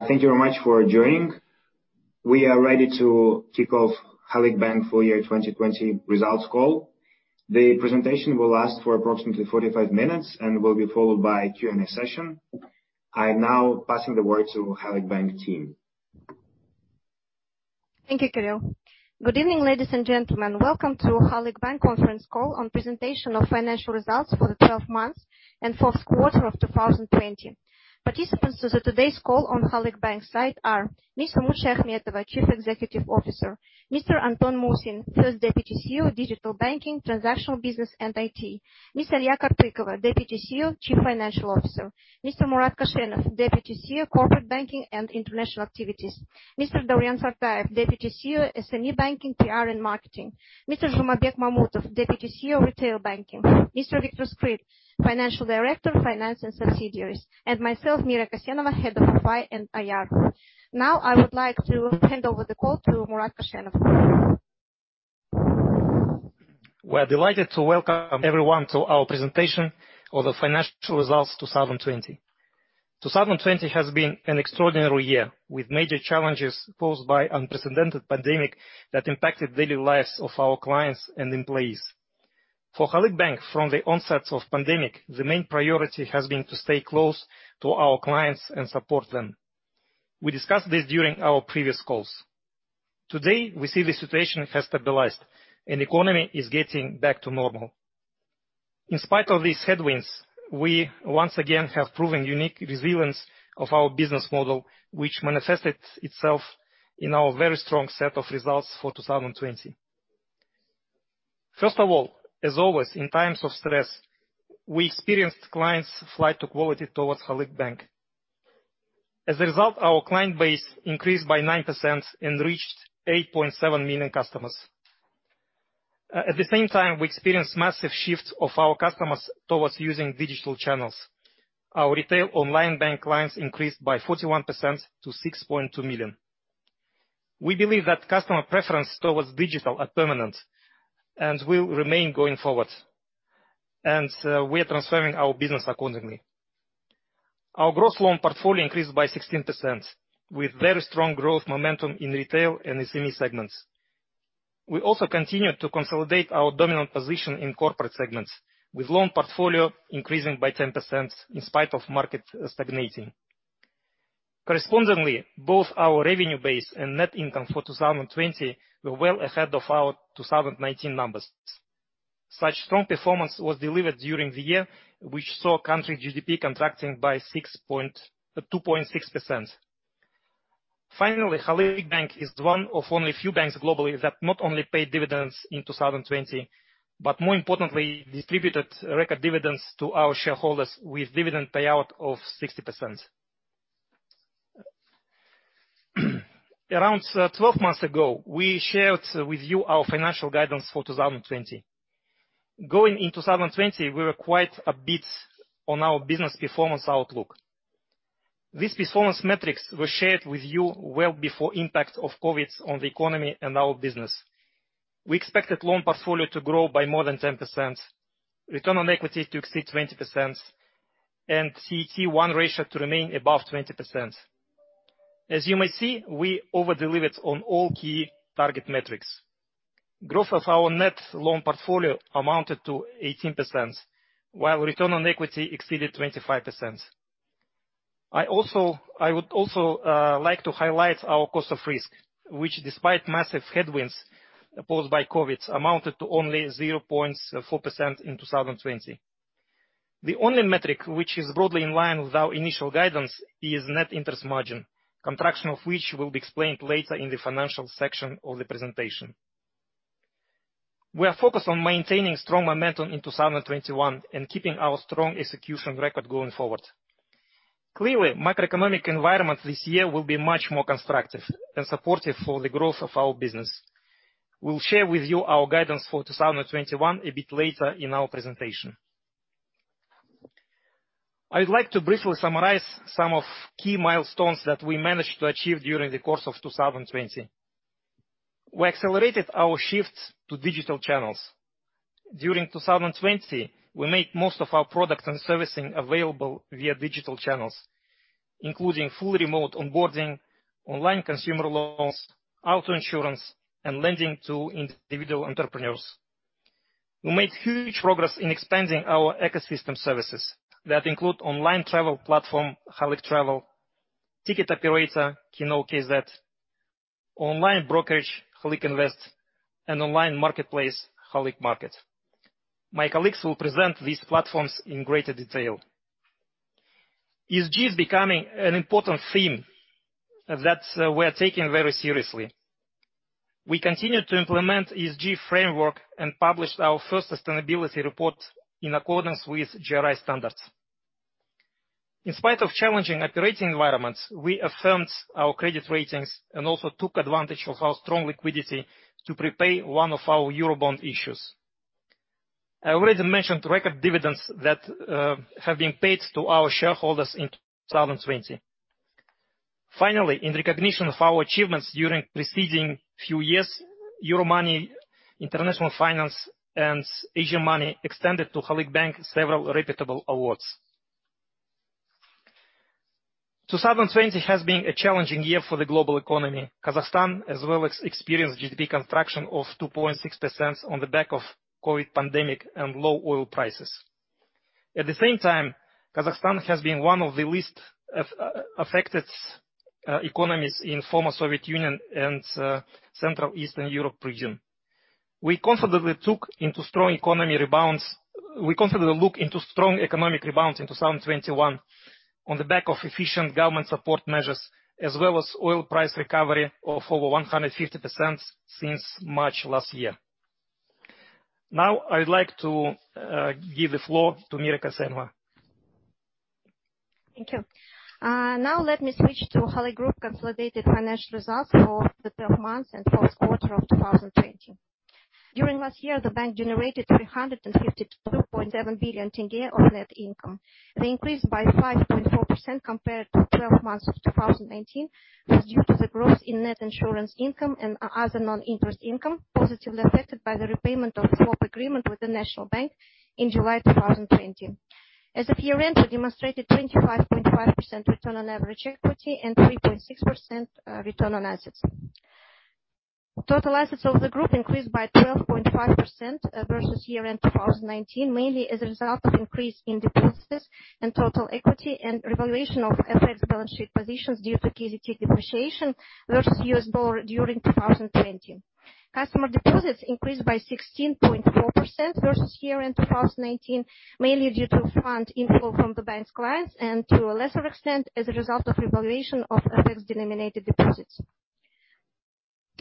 Thank you very much for joining. We are ready to kick off Halyk Bank full year 2020 results call. The presentation will last for approximately 45 minutes and will be followed by Q&A session. I am now passing the word to Halyk Bank team. Thank you, Kirill. Good evening, ladies and gentlemen. Welcome to Halyk Bank conference call on presentation of financial results for the 12 months and fourth quarter of 2020. Participants to today's call on Halyk Bank side are Ms. Umut Shayakhmetova, Chief Executive Officer. Mr. Anton Musin, First Deputy CEO, Digital Banking, Transactional Business and IT. Ms. Aliya Karpykova, Deputy CEO, Chief Financial Officer. Mr. Murat Koshenov, Deputy CEO, Corporate Banking and International Activities. Mr. Dauren Sartayev, Deputy CEO, SME Banking, PR and Marketing. Mr. Zhumabek Mamutov, Deputy CEO, Retail Banking. Mr. Viktor Skryl, Financial Director, Finance and Subsidiaries. Myself, Mira Kassenova, Head of FI and IR. Now, I would like to hand over the call to Murat Koshenov. We're delighted to welcome everyone to our presentation of the financial results 2020. 2020 has been an extraordinary year, with major challenges posed by unprecedented pandemic that impacted daily lives of our clients and employees. For Halyk Bank, from the onset of pandemic, the main priority has been to stay close to our clients and support them. We discussed this during our previous calls. Today, we see the situation has stabilized, and economy is getting back to normal. In spite of these headwinds, we once again have proven unique resilience of our business model, which manifested itself in our very strong set of results for 2020. First of all, as always, in times of stress, we experienced clients flight to quality towards Halyk Bank. As a result, our client base increased by 9% and reached 8.7 million customers. At the same time, we experienced massive shifts of our customers towards using digital channels. Our retail online bank clients increased by 41% to 6.2 million. We believe that customer preference towards digital are permanent and will remain going forward. We are transforming our business accordingly. Our gross loan portfolio increased by 16%, with very strong growth momentum in retail and SME segments. We also continued to consolidate our dominant position in corporate segments, with loan portfolio increasing by 10% in spite of market stagnating. Correspondingly, both our revenue base and net income for 2020 were well ahead of our 2019 numbers. Such strong performance was delivered during the year, which saw country GDP contracting by 2.6%. Finally, Halyk Bank is one of only few banks globally that not only paid dividends in 2020, but more importantly, distributed record dividends to our shareholders with dividend payout of 60%. Around 12 months ago, we shared with you our financial guidance for 2020. Going into 2020, we were quite upbeat on our business performance outlook. These performance metrics were shared with you well before impact of COVID on the economy and our business. We expected loan portfolio to grow by more than 10%, return on equity to exceed 20%, and CET1 ratio to remain above 20%. As you may see, we over-delivered on all key target metrics. Growth of our net loan portfolio amounted to 18%, while return on equity exceeded 25%. I would also like to highlight our cost of risk, which despite massive headwinds posed by COVID, amounted to only 0.4% in 2020. The only metric which is broadly in line with our initial guidance is net interest margin, contraction of which will be explained later in the financial section of the presentation. We are focused on maintaining strong momentum in 2021 and keeping our strong execution record going forward. Clearly, macroeconomic environment this year will be much more constructive and supportive for the growth of our business. We'll share with you our guidance for 2021 a bit later in our presentation. I'd like to briefly summarize some of key milestones that we managed to achieve during the course of 2020. We accelerated our shifts to digital channels. During 2020, we made most of our product and servicing available via digital channels, including fully remote onboarding, online consumer loans, auto insurance, and lending to individual entrepreneurs. We made huge progress in expanding our ecosystem services, that include online travel platform, Halyk Travel, ticket operator, Kino.kz, online brokerage, Halyk Invest, and online marketplace, Halyk Market. My colleagues will present these platforms in greater detail. ESG is becoming an important theme that we're taking very seriously. We continued to implement ESG framework and published our first sustainability report in accordance with GRI standards. In spite of challenging operating environments, we affirmed our credit ratings and also took advantage of our strong liquidity to prepay one of our Eurobond issues. I already mentioned record dividends that have been paid to our shareholders in 2020. Finally, in recognition of our achievements during preceding few years Euromoney, International Finance, and Asiamoney extended to Halyk Bank several reputable awards. 2020 has been a challenging year for the global economy. Kazakhstan as well experienced GDP contraction of 2.6% on the back of COVID pandemic and low oil prices. At the same time, Kazakhstan has been one of the least affected economies in former Soviet Union and Central Eastern Europe region. We confidently look into strong economic rebounds in 2021 on the back of efficient government support measures as well as oil price recovery of over 150% since March last year. Now I would like to give the floor to Mira Kassenova. Thank you. Now let me switch to Halyk Group consolidated financial results for the 12 months and fourth quarter of 2020. During last year, the bank generated KZT 352.7 billion of net income. The increase by 5.4% compared to 12 months of 2019 was due to the growth in net insurance income and other non-interest income positively affected by the repayment of swap agreement with the National Bank in July 2020. As of year-end, we demonstrated 25.5% return on average equity and 3.6% return on assets. Total assets of the group increased by 12.5% versus year-end 2019, mainly as a result of increase in deposits and total equity and revaluation of effects balance sheet positions due to KZT depreciation versus US dollar during 2020. Customer deposits increased by 16.4% versus year-end 2019, mainly due to fund inflow from the bank's clients and to a lesser extent, as a result of revaluation of FX denominated deposits.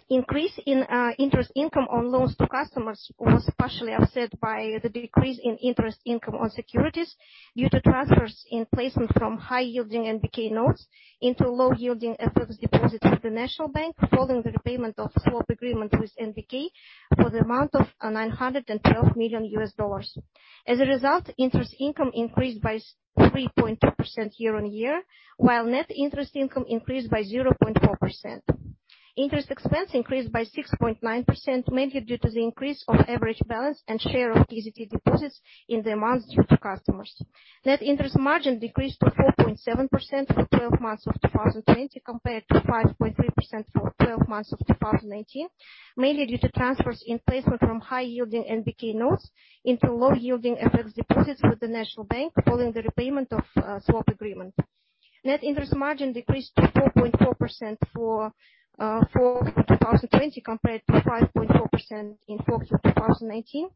Increase in interest income on loans to customers was partially offset by the decrease in interest income on securities due to transfers in placement from high yielding NBK notes into low yielding FX deposits with the National Bank following the repayment of swap agreement with NBK for the amount of $912 million. As a result, interest income increased by 3.2% year on year, while net interest income increased by 0.4%. Interest expense increased by 6.9%, mainly due to the increase of average balance and share of KZT deposits in the amounts due to customers. Net interest margin decreased to 4.7% for 12 months of 2020 compared to 5.3% for 12 months of 2019,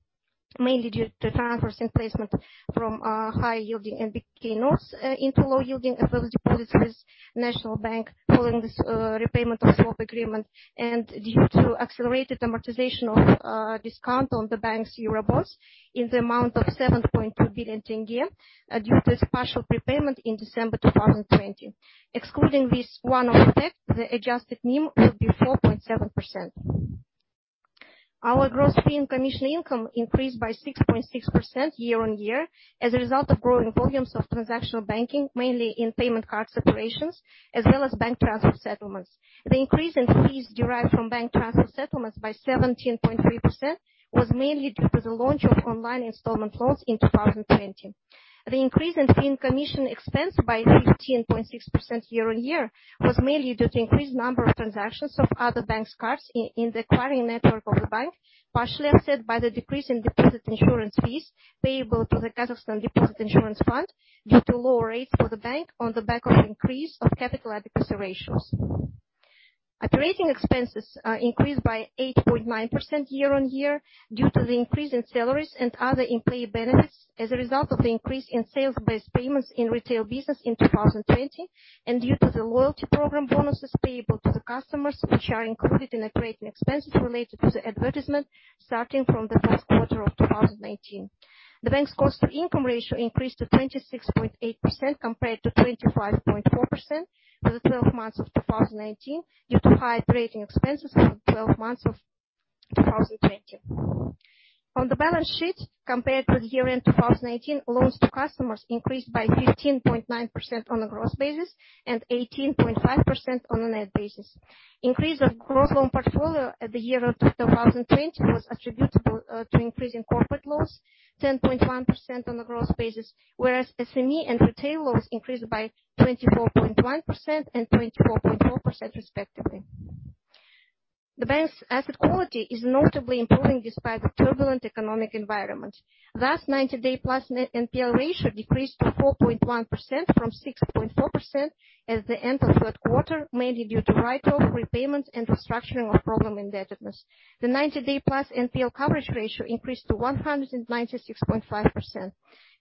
mainly due to transfers in placement from high yielding NBK notes into low yielding NBK deposits with the National Bank following the repayment of swap agreement. Net interest margin decreased to 4.4% for 2020 compared to 5.4% in 4Q of 2019, mainly due to transfers in placement from high yielding NBK notes into low yielding NBK deposits with National Bank following this repayment of swap agreement and due to accelerated amortization of discount on the bank's Eurobonds in the amount of KZT 7.2 billion due to its partial prepayment in December 2020. Excluding this one-off effect, the adjusted NIM will be 4.7%. Our gross fee and commission income increased by 6.6% year-on-year as a result of growing volumes of transactional banking, mainly in payment card operations, as well as bank transfer settlements. The increase in fees derived from bank transfer settlements by 17.3% was mainly due to the launch of online installment loans in 2020. The increase in fee and commission expense by 15.6% year-on-year was mainly due to increased number of transactions of other banks' cards in the acquiring network of the bank, partially offset by the decrease in deposit insurance fees payable to the Kazakhstan Deposit Insurance Fund due to lower rates for the bank on the back of increase of capital adequacy ratios. Operating expenses increased by 8.9% year-on-year due to the increase in salaries and other employee benefits as a result of the increase in sales-based payments in retail business in 2020 and due to the loyalty program bonuses payable to the customers, which are included in operating expenses related to the advertisement starting from the fourth quarter of 2019. The bank's cost to income ratio increased to 26.8% compared to 25.4% for the 12 months of 2019 due to high operating expenses for the 12 months of 2020. On the balance sheet, compared with year-end 2019, loans to customers increased by 15.9% on a gross basis and 18.5% on a net basis. Increase of gross loan portfolio at the year of 2020 was attributable to increase in corporate loans, 10.1% on a gross basis, whereas SME and retail loans increased by 24.1% and 24.4% respectively. The bank's asset quality is notably improving despite the turbulent economic environment. The 90-day plus net NPL ratio decreased to 4.1% from 6.4% as at the end of third quarter, mainly due to write-off, repayments, and restructuring of problem indebtedness. The 90-day plus NPL coverage ratio increased to 196.5%.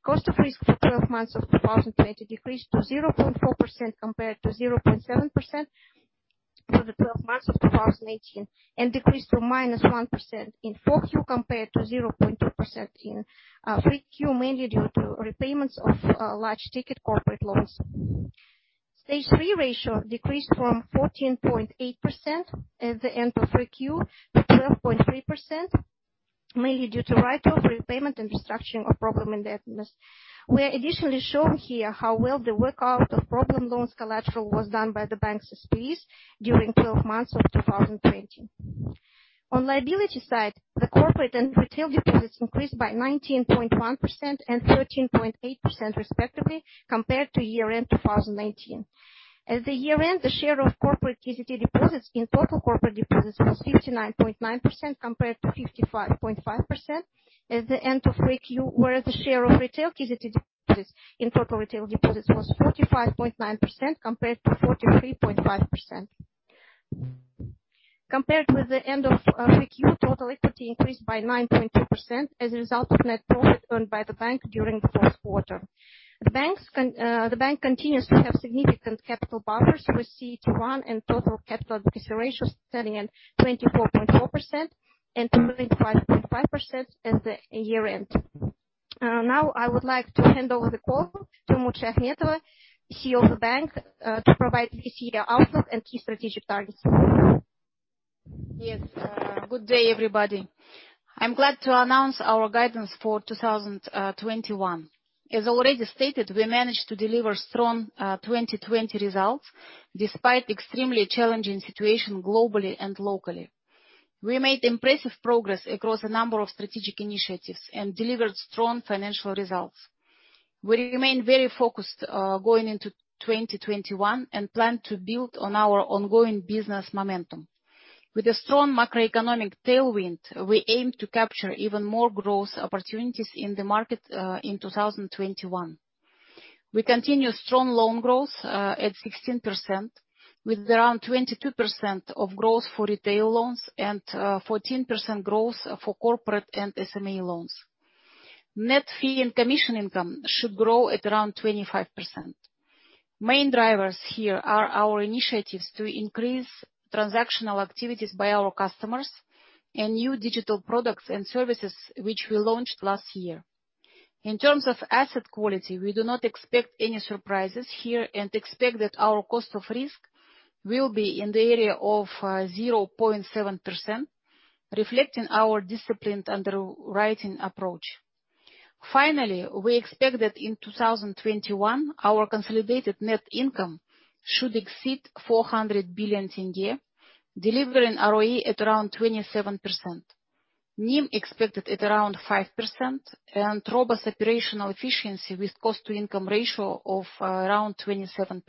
Cost of risk for 12 months of 2020 decreased to 0.4% compared to 0.7% for the 12 months of 2018 and decreased to -1% in 4Q compared to 0.2% in 3Q, mainly due to repayments of large ticket corporate loans. Stage 3 ratio decreased from 14.8% at the end of 3Q to 12.3%. Mainly due to write-off, repayment and restructuring of problem indebtedness. We are additionally shown here how well the workout of problem loans collateral was done by the banks SPEs during 12 months of 2020. On liability side, the corporate and retail deposits increased by 19.1% and 13.8% respectively, compared to year-end 2019. At the year-end, the share of corporate KZT deposits in total corporate deposits was 69.9%, compared to 55.5%. At the end of 3Q, whereas the share of retail KZT deposits in total retail deposits was 45.9%, compared to 43.5%. Compared with the end of 3Q, total equity increased by 9.2% as a result of net profit earned by the bank during the fourth quarter. The bank continues to have significant capital buffers with CET1 and total capital adequacy ratio standing at 24.4% and 25.5% at the year-end. Now, I would like to hand over the call to Umut Shayakhmetova, CEO of the bank, to provide this year outlook and key strategic targets. Yes. Good day, everybody. I'm glad to announce our guidance for 2021. As already stated, we managed to deliver strong 2020 results despite extremely challenging situation globally and locally. We made impressive progress across a number of strategic initiatives and delivered strong financial results. We remain very focused, going into 2021 and plan to build on our ongoing business momentum. With a strong macroeconomic tailwind, we aim to capture even more growth opportunities in the market, in 2021. We continue strong loan growth at 16%, with around 22% of growth for retail loans and 14% growth for corporate and SME loans. Net fee and commission income should grow at around 25%. Main drivers here are our initiatives to increase transactional activities by our customers and new digital products and services, which we launched last year. In terms of asset quality, we do not expect any surprises here and expect that our cost of risk will be in the area of 0.7%, reflecting our disciplined underwriting approach. Finally, we expect that in 2021, our consolidated net income should exceed KZT 400 billion, delivering ROE at around 27%. NIM expected at around 5% and robust operational efficiency with cost-to-income ratio of around 27%.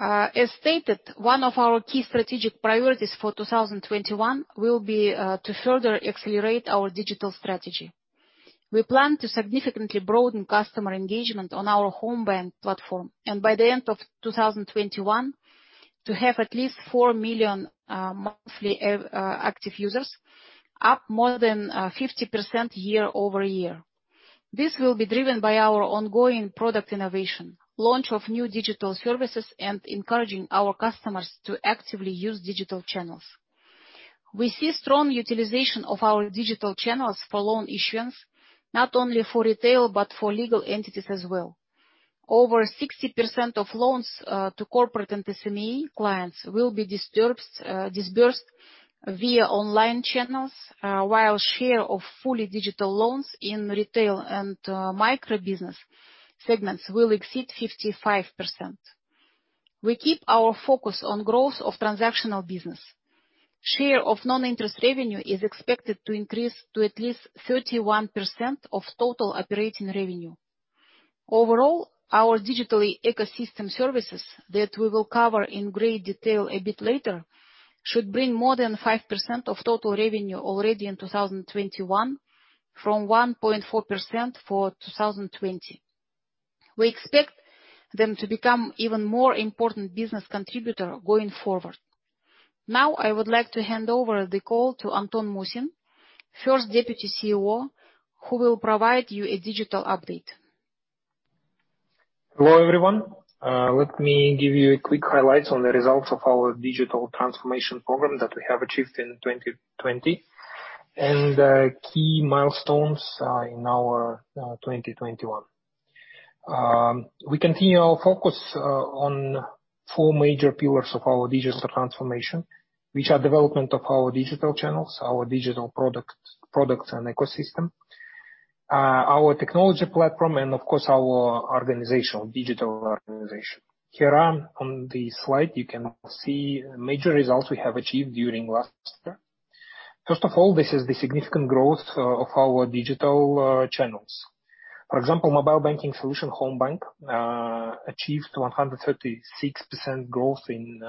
As stated, one of our key strategic priorities for 2021 will be to further accelerate our digital strategy. We plan to significantly broaden customer engagement on our Homebank platform, and by the end of 2021, to have at least four million monthly active users, up more than 50% year-over-year. This will be driven by our ongoing product innovation, launch of new digital services, and encouraging our customers to actively use digital channels. We see strong utilization of our digital channels for loan issuance, not only for retail, but for legal entities as well. Over 60% of loans to corporate and SME clients will be disbursed via online channels. While share of fully digital loans in retail and microbusiness segments will exceed 55%. We keep our focus on growth of transactional business. Share of non-interest revenue is expected to increase to at least 31% of total operating revenue. Overall, our digitally ecosystem services that we will cover in great detail a bit later should bring more than 5% of total revenue already in 2021 from 1.4% for 2020. We expect them to become even more important business contributor going forward. I would like to hand over the call to Anton Musin, First Deputy CEO, who will provide you a digital update. Hello, everyone. Let me give you a quick highlights on the results of our digital transformation program that we have achieved in 2020 and key milestones in our 2021. We continue our focus on four major pillars of our digital transformation, which are development of our digital channels, our digital products and ecosystem, our technology platform, and of course, our digital organization. Here on the slide, you can see major results we have achieved during last year. First of all, this is the significant growth of our digital channels. For example, mobile banking solution Homebank achieved 136% growth in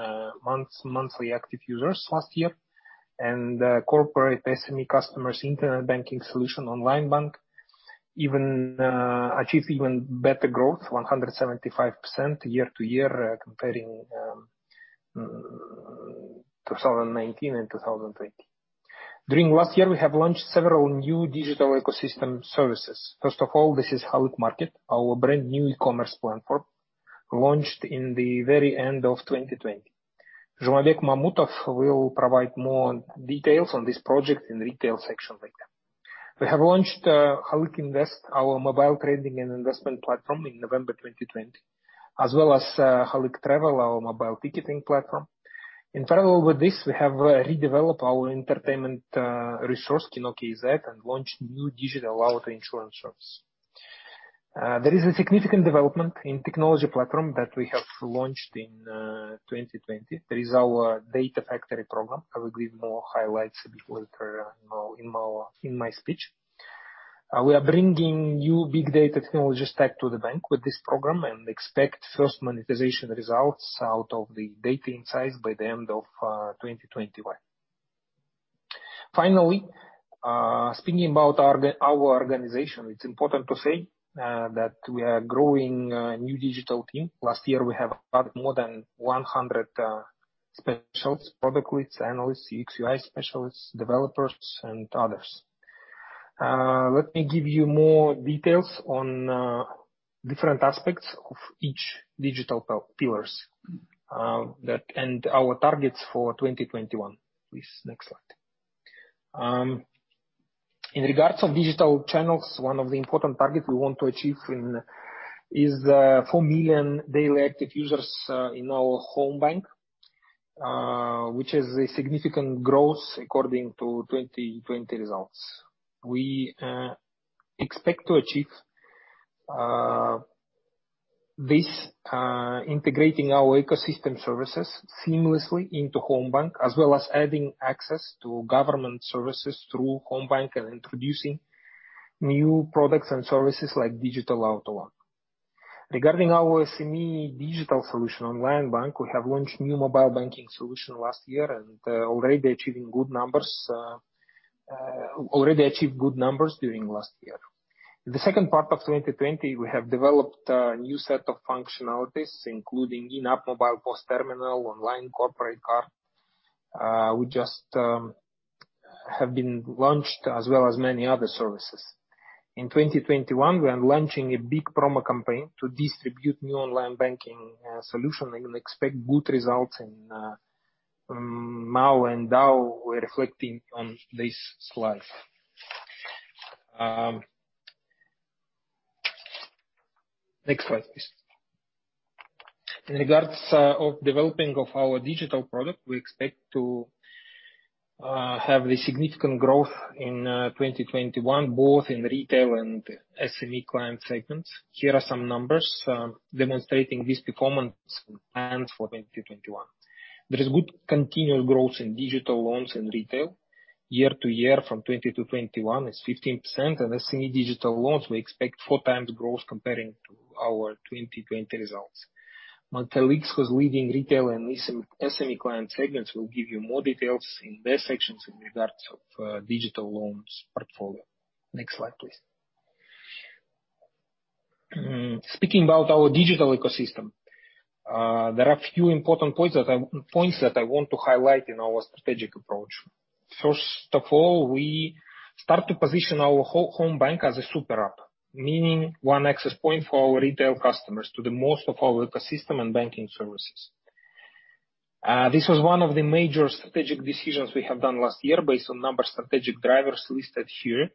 monthly active users last year. Corporate, SME customers, internet banking solution, Onlinebank achieved even better growth, 175% year-to-year, comparing 2019 and 2020. During last year, we have launched several new digital ecosystem services. First of all, this is Halyk Market, our brand new e-commerce platform launched in the very end of 2020. Zhumabek Mamutov will provide more details on this project in retail section later. We have launched Halyk Invest, our mobile trading and investment platform, in November 2020, as well as Halyk Travel, our mobile ticketing platform. In parallel with this, we have redeveloped our entertainment resource, Kino.kz, and launched new digital auto insurance service. There is a significant development in technology platform that we have launched in 2020. There is our data factory program. I will give more highlights a bit later in my speech. We are bringing new big data technology stack to the bank with this program and expect first monetization results out of the data insights by the end of 2021. Finallly, speaking about our organization, it's important to say that we are growing a new digital team. Last year, we have added more than 100 specialists, product leads, analysts, CX/UI specialists, developers, and others. Let me give you more details on different aspects of each digital pillars and our targets for 2021. Please, next slide. In regards of digital channels, one of the important targets we want to achieve is four million daily active users in our Homebank, which is a significant growth according to 2020 results. We expect to achieve this integrating our ecosystem services seamlessly into Homebank, as well as adding access to government services through Homebank and introducing new products and services like digital auto loan. Regarding our SME digital solution Onlinebank, we have launched new mobile banking solution last year and already achieved good numbers during last year. In the second part of 2020, we have developed a new set of functionalities, including in-app mobile POS terminal, online corporate card, we just have been launched as well as many other services. In 2021, we are launching a big promo campaign to distribute new online banking solution and expect good results in MAU and DAU we're reflecting on this slide. Next slide, please. In regards of developing of our digital product, we expect to have the significant growth in 2021, both in retail and SME client segments. Here are some numbers demonstrating this performance and plans for 2021. There is good continuous growth in digital loans in retail year-to-year from 2020 to 2021 is 15%, and SME digital loans, we expect 4x growth comparing to our 2020 results. My colleagues who's leading retail and SME client segments will give you more details in their sections in regards of digital loans portfolio. Next slide, please. Speaking about our digital ecosystem, there are few important points that I want to highlight in our strategic approach. First of all, we start to position our whole Homebank as a super-app, meaning one access point for our retail customers to the most of our ecosystem and banking services. This was one of the major strategic decisions we have done last year based on number of strategic drivers listed here.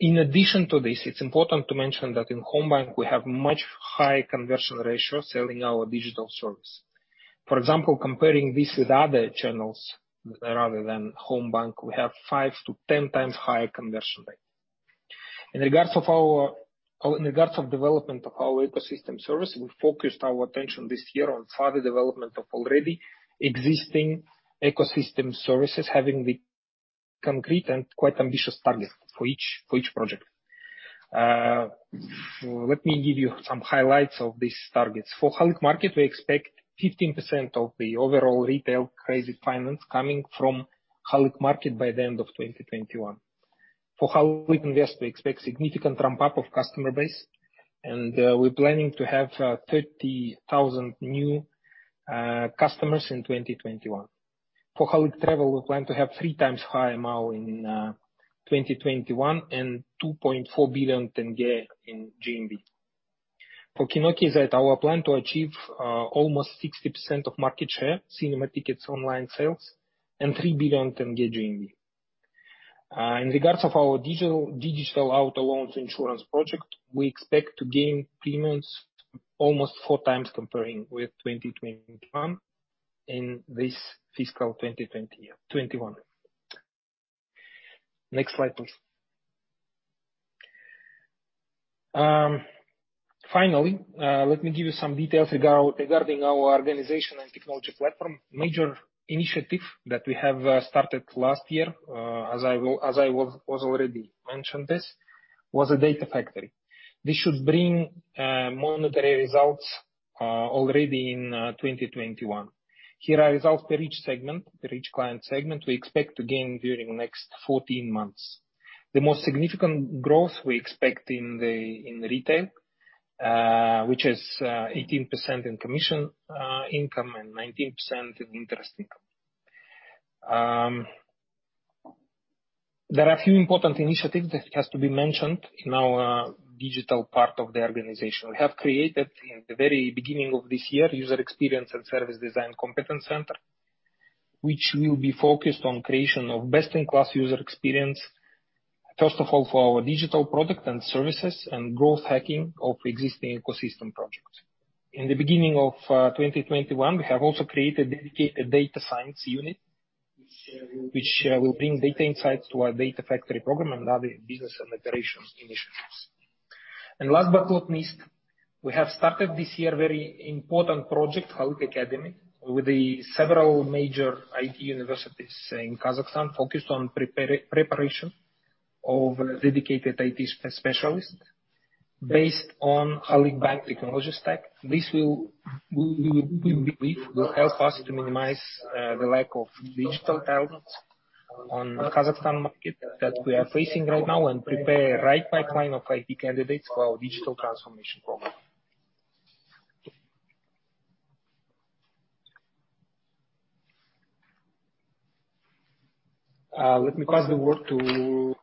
In addition to this, it's important to mention that in Homebank, we have much high conversion ratio selling our digital service. For example, comparing this with other channels rather than Homebank, we have 5x to 10x higher conversion rate. In regards of development of our ecosystem service, we focused our attention this year on further development of already existing ecosystem services having the concrete and quite ambitious target for each project. Let me give you some highlights of these targets. For Halyk Market, we expect 15% of the overall retail credit finance coming from Halyk Market by the end of 2021. For Halyk Invest, we expect significant ramp-up of customer base, and we're planning to have 30,000 new customers in 2021. For Halyk Travel, we plan to have 3x higher MAU in 2021 and KZT 2.4 billion in GMV. For Kino.kz, our plan to achieve almost 60% of market share cinema tickets online sales and KZT 3 billion GMV. In regards of our digital auto loans insurance project, we expect to gain premiums almost 4x comparing with 2021 in this fiscal 2021. Next slide, please. Finally, let me give you some details regarding our organization and technology platform. Major initiative that we have started last year, as I was already mentioned this, was a data factory. This should bring monetary results already in 2021. Here are results per each segment, per each client segment, we expect to gain during next 14 months. The most significant growth we expect in retail, which is 18% in commission income and 19% in interest income. There are few important initiatives that has to be mentioned in our digital part of the organization. We have created, in the very beginning of this year, User Experience and Service Design Competence Center, which will be focused on creation of best-in-class user experience, first of all, for our digital product and services and growth hacking of existing ecosystem projects. In the beginning of 2021, we have also created a dedicated data science unit, which will bring data insights to our data factory program and other business and operations initiatives. Last but not least, we have started this year a very important project, Halyk Academy, with several major IT universities in Kazakhstan focused on preparation of dedicated IT specialists based on Halyk Bank technology stack. This we believe will help us to minimize the lack of digital talents on the Kazakhstan market that we are facing right now and prepare the right pipeline of IT candidates for our digital transformation program. Let me pass the word to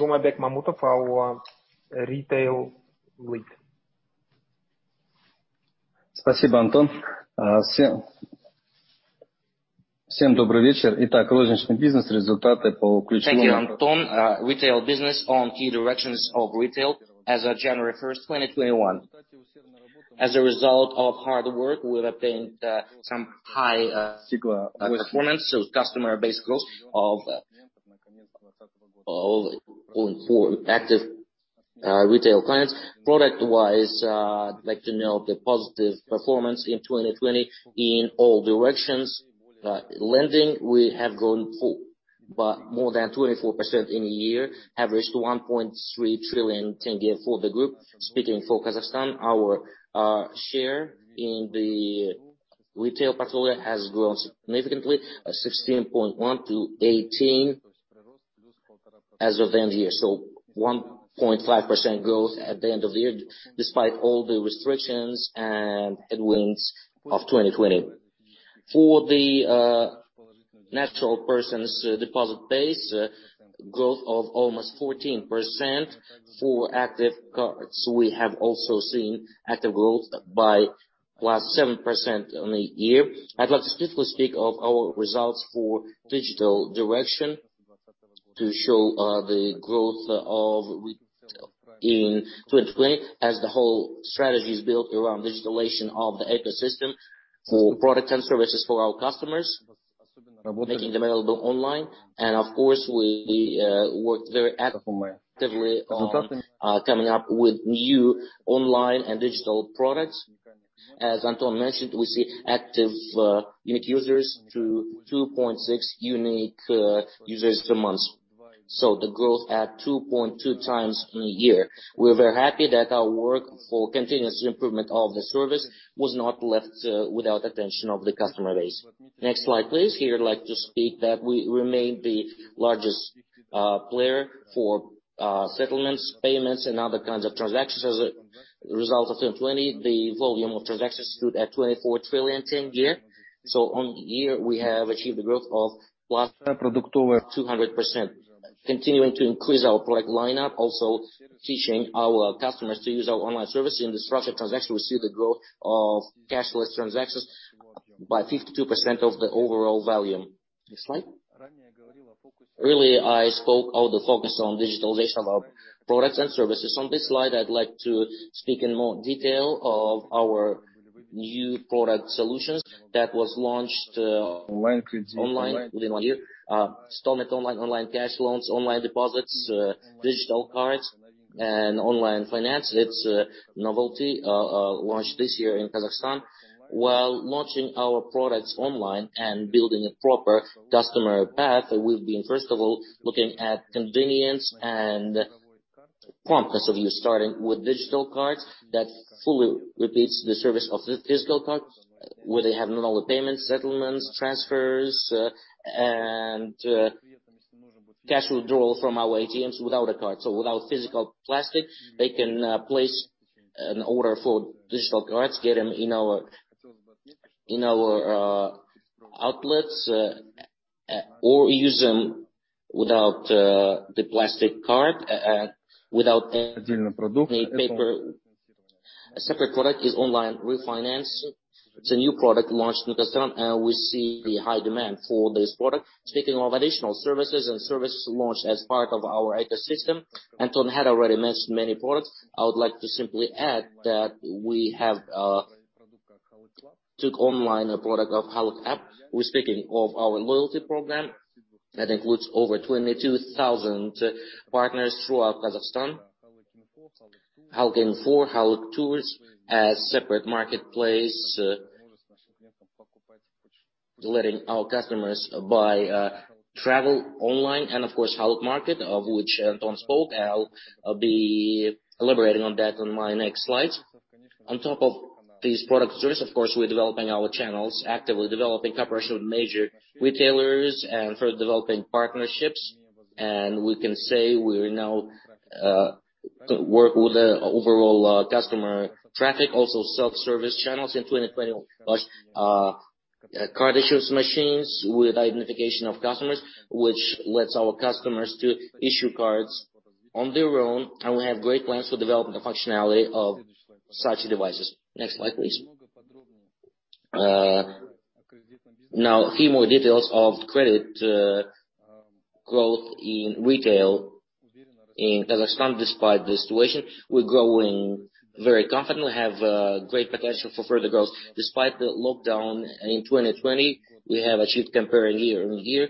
Zhumabek Mamutov, our retail lead. Thank you, Anton. Retail business on key directions of retail as of January 1st, 2021. As a result of hard work, we've obtained some high performance. Customer base growth of active retail clients. Product-wise, I'd like to note the positive performance in 2020 in all directions. Lending, we have grown more than 24% in a year, averaged KZT 1.3 trillion for the group. Speaking for Kazakhstan, our share in the retail portfolio has grown significantly, 16.1%-18% as of the end of the year, 1.5% growth at the end of the year, despite all the restrictions and headwinds of 2020. For the natural persons deposit base, growth of almost 14%. For active cards, we have also seen active growth by +7% on the year. I'd like to specifically speak of our results for digital direction to show the growth of retail in 2020 as the whole strategy is built around digitalization of the ecosystem for product and services for our customers, making them available online. Of course, we work very actively on coming up with new online and digital products. As Anton mentioned, we see active unique users to 2.6 million users per month. The growth at 2.2x in a year. We are very happy that our work for continuous improvement of the service was not left without attention of the customer base. Next slide, please. Here, I'd like to speak that we remain the largest player for settlements, payments, and other kinds of transactions. As a result of 2020, the volume of transactions stood at KZT 24 trillion. On the year, we have achieved the growth of plus over 200%. Continuing to increase our product lineup, also teaching our customers to use our online service. In the structure transaction, we see the growth of cashless transactions by 52% of the overall volume. Next slide. Earlier, I spoke of the focus on digitalization of our products and services. On this slide, I'd like to speak in more detail of our new product solutions that was launched online within one year. Installment online cash loans, online deposits, digital cards, and online finance. That's a novelty launched this year in Kazakhstan. While launching our products online and building a proper customer path, we've been, first of all, looking at convenience and promptness of use, starting with digital cards that fully repeats the service of the physical card, where they have normal payments, settlements, transfers, and cash withdrawal from our ATMs without a card. Without physical plastic, they can place an order for digital cards, get them in our outlets, or use them without the plastic card and without any paper. A separate product is online refinance. It's a new product launched in Kazakhstan, and we see the high demand for this product. Speaking of additional services and services launched as part of our ecosystem, Anton had already mentioned many products. I would like to simply add that we have took online a product of Halyk App. We're speaking of our loyalty program that includes over 22,000 partners throughout Kazakhstan. Halyk Info, Halyk Travel as separate marketplace, letting our customers buy travel online, and of course, Halyk Market, of which Anton spoke. I'll be elaborating on that on my next slide. On top of these product services, of course, we're developing our channels, actively developing cooperation with major retailers and further developing partnerships. We can say we now work with the overall customer traffic, also self-service channels. In 2020, we launched card issuance machines with identification of customers, which lets our customers to issue cards on their own, and we have great plans for developing the functionality of such devices. Next slide, please. Now, a few more details of credit growth in retail in Kazakhstan. Despite the situation, we're growing very confidently. We have great potential for further growth. Despite the lockdown in 2020, we have achieved comparing year-over-year,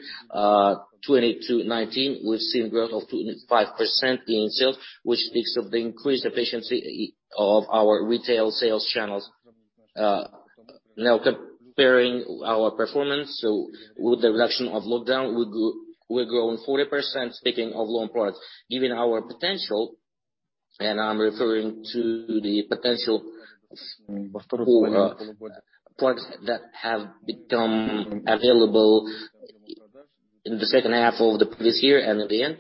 2019, we've seen growth of 25% in sales, which speaks of the increased efficiency of our retail sales channels. Now comparing our performance. With the reduction of lockdown, we're growing 40%, speaking of loan products. Given our potential, I'm referring to the potential for products that have become available in the second half of the previous year and at the end,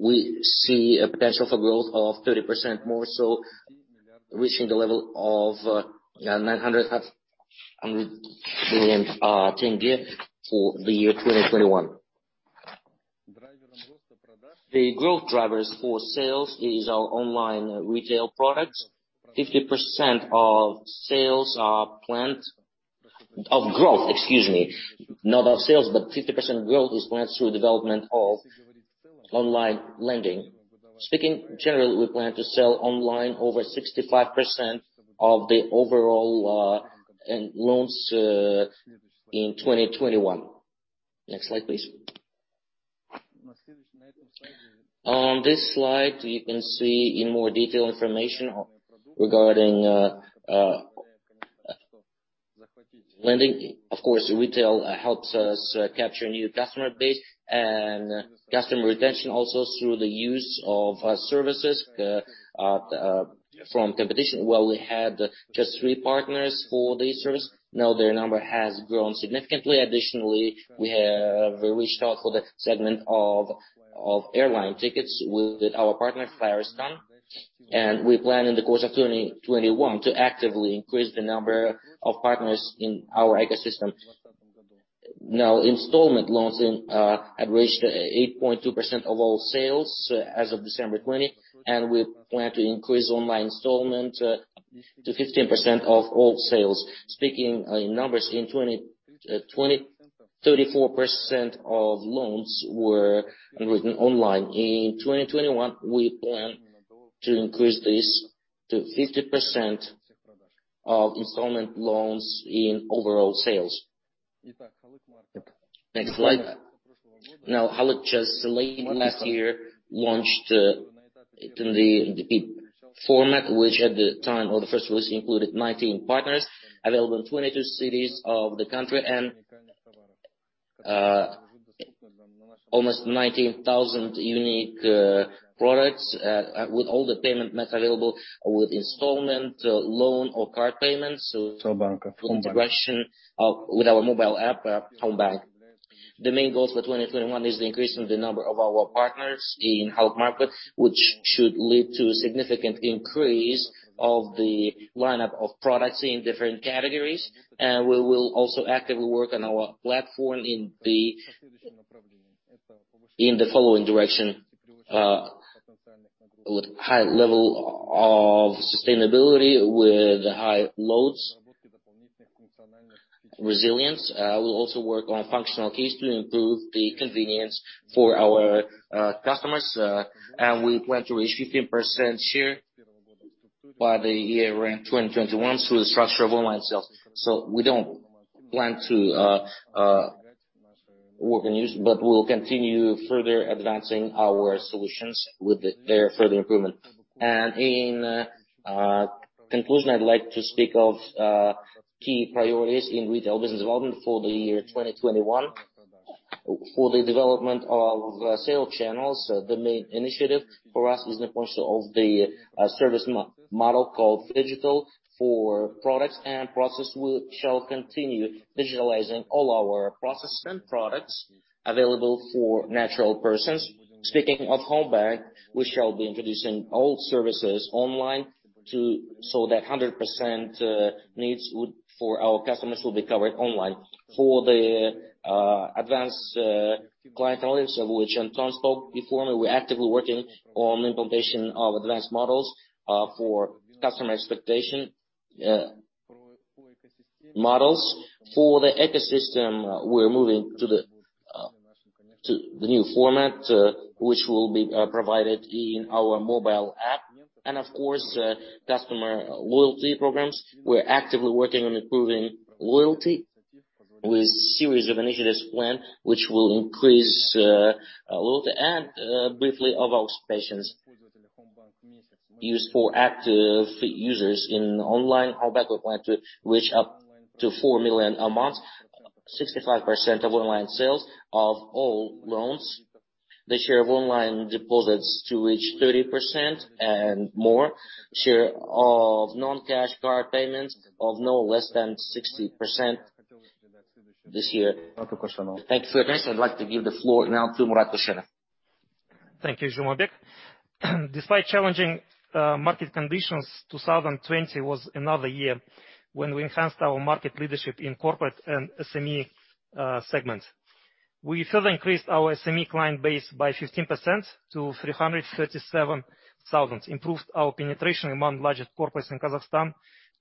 we see a potential for growth of 30% more so reaching the level of 900 billion KZT for the year 2021. The growth drivers for sales is our online retail products. 50% of growth is planned through development of online lending. Speaking generally, we plan to sell online over 65% of the overall loans in 2021. Next slide, please. On this slide, you can see in more detail information regarding lending. Of course, retail helps us capture a new customer base and customer retention also through the use of services from competition. We had just three partners for this service, now their number has grown significantly. Additionally, we have reached out for the segment of airline tickets with our partner, FlyArystan, and we plan in the course of 2021 to actively increase the number of partners in our ecosystem. Now, installment loans have reached 8.2% of all sales as of December 20, and we plan to increase online installment to 15% of all sales. Speaking in numbers, in 2020, 34% of loans were written online. In 2021, we plan to increase this to 50% of installment loans in overall sales. Next slide. Now, Halyk just late last year launched in the format, which at the time of the first release included 19 partners available in 22 cities of the country and almost 19,000 unique products with all the payment methods available with installment loan or card payments with our mobile app, Homebank. The main goal for 2021 is the increase in the number of our partners in Halyk Market, which should lead to a significant increase of the lineup of products in different categories. We will also actively work on our platform in the following direction with high level of sustainability with high loads resilience. We'll also work on functional keys to improve the convenience for our customers. We plan to reach 15% share by the year-end 2021 through the structure of online sales. We don't plan to work and use, but we'll continue further advancing our solutions with their further improvement. In conclusion, I'd like to speak of key priorities in retail business development for the year 2021. For the development of sales channels, the main initiative for us is the question of the service model called PHYGITAL for products and process. We shall continue digitalizing all our processes and products available for natural persons. Speaking of Homebank, we shall be introducing all services online so that 100% needs for our customers will be covered online. For the advanced client analytics, of which Anton spoke before me, we're actively working on implementation of advanced models for customer expectation models. For the ecosystem, we're moving to the new format which will be provided in our mobile app. Of course, customer loyalty programs. We're actively working on improving loyalty with series of initiatives plan which will increase loyalty. Briefly about expectations. Use for active users in online Homebank, we plan to reach up to four million a month, 65% of online sales of all loans. The share of online deposits to reach 30% and more. Share of non-cash card payments of no less than 60% this year. Thank you for your attention. I'd like to give the floor now to Murat Koshenov. Thank you, Zhumabek. Despite challenging market conditions, 2020 was another year when we enhanced our market leadership in corporate and SME segments. We further increased our SME client base by 15% to 337,000, improved our penetration among largest corporates in Kazakhstan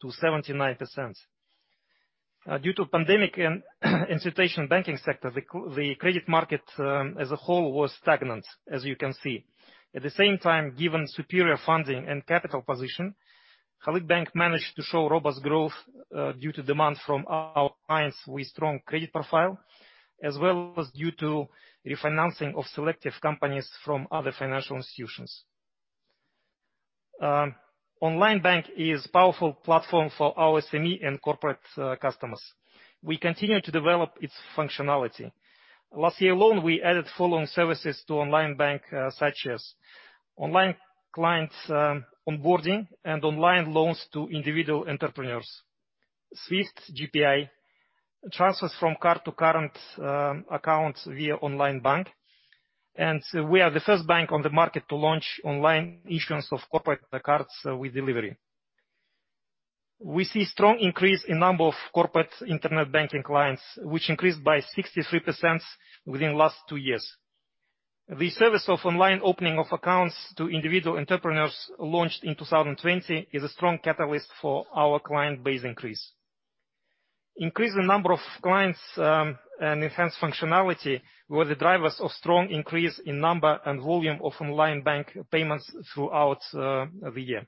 to 79%. Due to pandemic and situation in banking sector, the credit market as a whole was stagnant, as you can see. At the same time, given superior funding and capital position, Halyk Bank managed to show robust growth due to demand from our clients with strong credit profile, as well as due to refinancing of selective companies from other financial institutions. Onlinebank is powerful platform for our SME and corporate customers. We continue to develop its functionality. Last year alone, we added full-on services to Onlinebank, such as online clients onboarding and online loans to individual entrepreneurs. SWIFT GPI, transfers from card to current accounts via Onlinebank, and we are the first bank on the market to launch online issuance of corporate cards with delivery. We see strong increase in number of corporate internet banking clients, which increased by 63% within last two years. The service of online opening of accounts to individual entrepreneurs, launched in 2020, is a strong catalyst for our client base increase. Increase in number of clients and enhanced functionality were the drivers of strong increase in number and volume of Onlinebank payments throughout the year.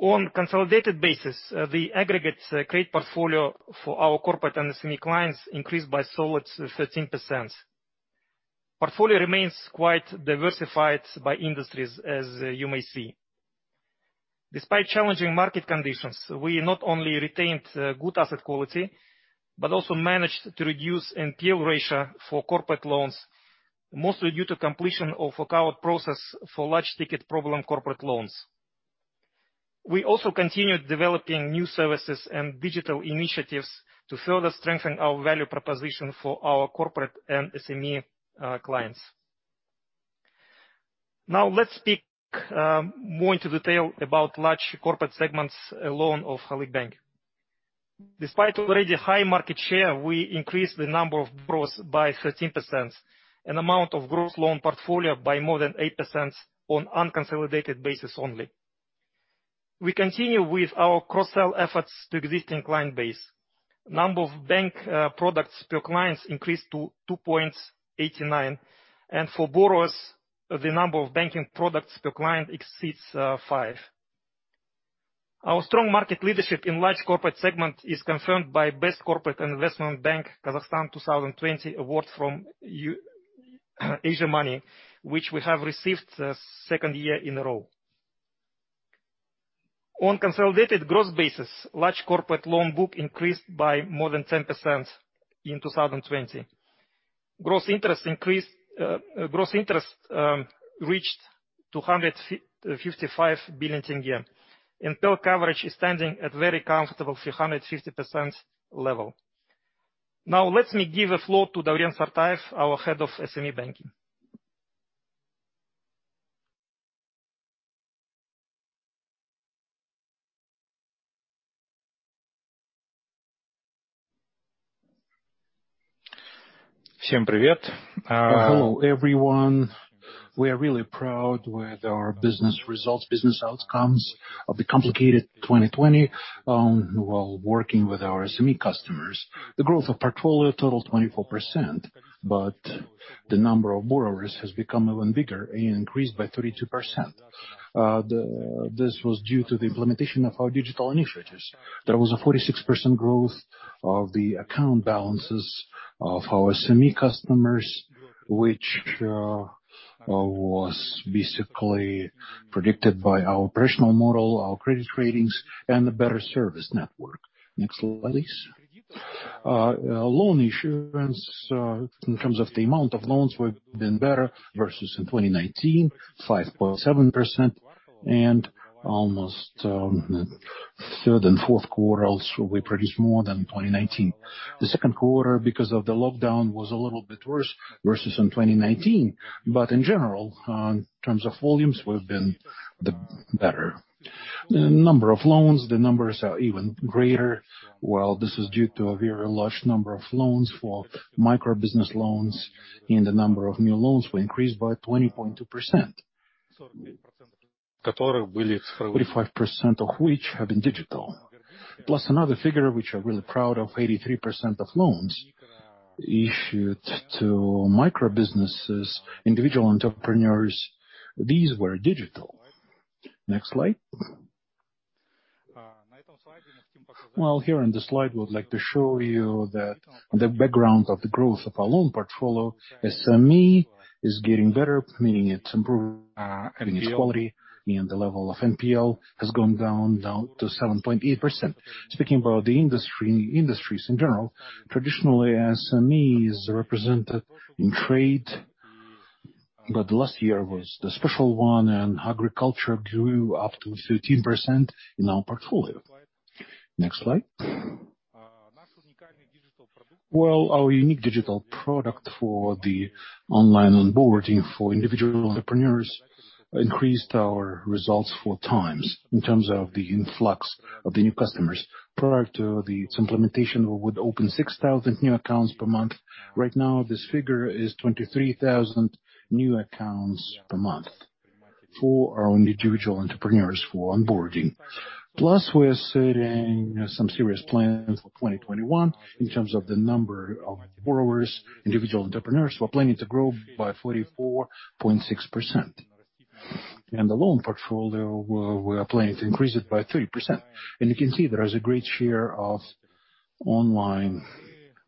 On consolidated basis, the aggregate credit portfolio for our corporate and SME clients increased by a solid 13%. Portfolio remains quite diversified by industries, as you may see. Despite challenging market conditions, we not only retained good asset quality, but also managed to reduce NPL ratio for corporate loans, mostly due to completion of workout process for large ticket problem corporate loans. We also continued developing new services and digital initiatives to further strengthen our value proposition for our corporate and SME clients. Now let's speak more into detail about large corporate segments loan of Halyk Bank. Despite already high market share, we increased the number of borrowers by 13% and amount of gross loan portfolio by more than 8% on unconsolidated basis only. We continue with our cross-sell efforts to existing client base. Number of bank products per clients increased to 2.89, and for borrowers, the number of banking products per client exceeds five. Our strong market leadership in large corporate segment is confirmed by Best Corporate and Investment Bank Kazakhstan 2020 award from Asiamoney, which we have received second year in a row. On consolidated gross basis, large corporate loan book increased by more than 10% in 2020. Gross interest reached KZT 255 billion. NPL coverage is standing at very comfortable 350% level. Let me give the floor to Dauren Sartayev, our head of SME banking. Hello, everyone. We are really proud with our business results, business outcomes of the complicated 2020 while working with our SME customers. The growth of portfolio totaled 24%, but the number of borrowers has become even bigger and increased by 32%. This was due to the implementation of our digital initiatives. There was a 46% growth of the account balances of our SME customers, which was basically predicted by our personal model, our credit ratings, and a better service network. Next slide, please. Loan issuance in terms of the amount of loans we've been better versus in 2019, 5.7%, and almost third and fourth quarter, we produced more than 2019. The second quarter, because of the lockdown, was a little bit worse versus in 2019. In general, in terms of volumes, we've been better. Number of loans, the numbers are even greater. Well, this is due to a very large number of loans for micro business loans, and the number of new loans were increased by 20.2%. 45% of which have been digital. Another figure which we're really proud of, 83% of loans issued to micro businesses, individual entrepreneurs, these were digital. Next slide. Well, here on this slide, we would like to show you that the background of the growth of our loan portfolio SME is getting better, meaning it's improving its quality, and the level of NPL has gone down now to 7.8%. Speaking about the industries in general, traditionally, SME is represented in trade, but last year was the special one, and agriculture grew up to 13% in our portfolio. Next slide. Well, our unique digital product for the online onboarding for individual entrepreneurs increased our results 4x in terms of the influx of the new customers. Prior to its implementation, we would open 6,000 new accounts per month. Right now, this figure is 23,000 new accounts per month for our individual entrepreneurs who are onboarding. We are setting some serious plans for 2021 in terms of the number of borrowers. Individual entrepreneurs, we're planning to grow by 44.6%. The loan portfolio, we are planning to increase it by 30%. You can see there is a great share of online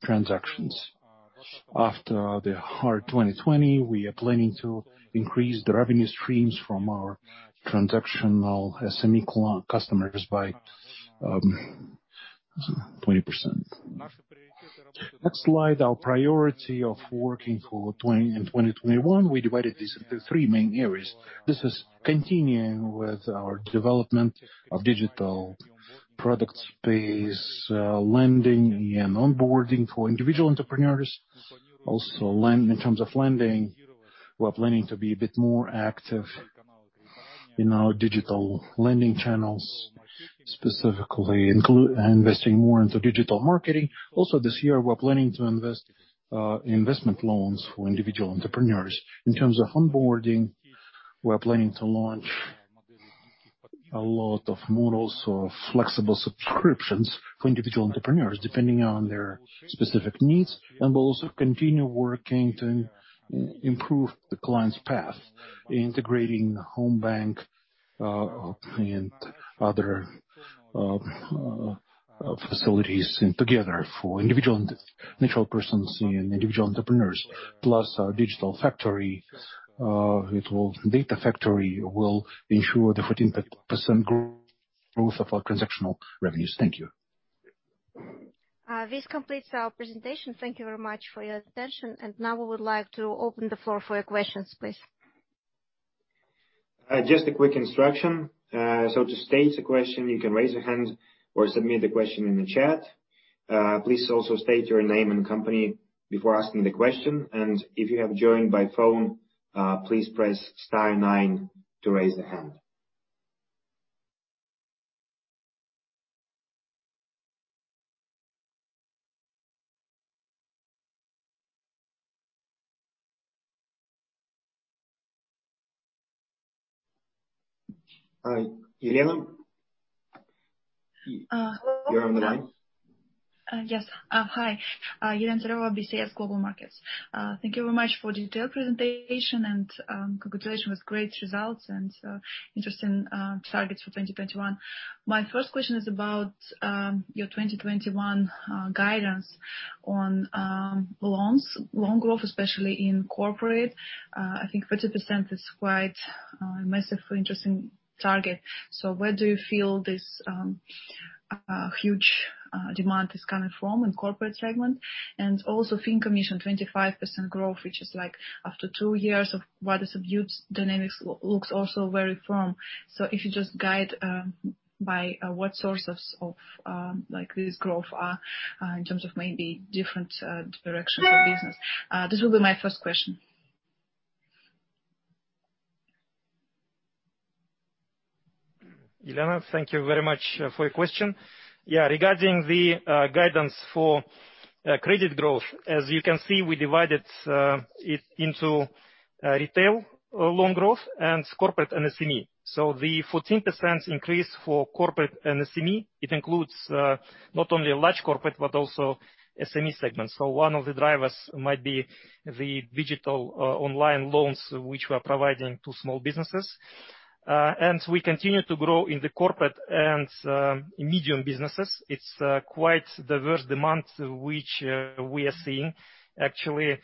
transactions. After the hard 2020, we are planning to increase the revenue streams from our transactional SME customers by 20%. Next slide, our priority of working in 2021. We divided this into three main areas. This is continuing with our development of digital product space, lending, and onboarding for individual entrepreneurs. In terms of lending, we're planning to be a bit more active in our digital lending channels, specifically investing more into digital marketing. This year, we're planning to invest in investment loans for individual entrepreneurs. In terms of onboarding, we're planning to launch a lot of models of flexible subscriptions for individual entrepreneurs depending on their specific needs. We'll also continue working to improve the client's path, integrating Homebank and other facilities together for individual natural persons and individual entrepreneurs. Our digital data factory will ensure the 14% growth of our transactional revenues. Thank you. This completes our presentation. Thank you very much for your attention. Now we would like to open the floor for your questions, please. Just a quick instruction. To state a question, you can raise your hand or submit the question in the chat. Please also state your name and company before asking the question. If you have joined by phone, please press star nine to raise a hand. Elena? Hello. You're on the line. Yes. Hi. Elena Tsareva, BCS Global Markets. Thank you very much for the detailed presentation, and congratulations with great results and interesting targets for 2021. My first question is about your 2021 guidance on loans. Loan growth, especially in corporate. I think 30% is quite a massive, interesting target. Where do you feel this huge demand is coming from in corporate segment? Also fee and commission, 25% growth, which is after two years of rather subdued dynamics, looks also very firm. If you just guide by what sources of this growth are in terms of maybe different directions of business. This will be my first question. Elena, thank you very much for your question. Yeah. Regarding the guidance for credit growth, as you can see, we divided it into retail loan growth and corporate and SME. The 14% increase for corporate and SME, it includes not only large corporate but also SME segment. One of the drivers might be the digital online loans which we are providing to small businesses. We continue to grow in the corporate and medium businesses. It's quite diverse demand which we are seeing. Actually,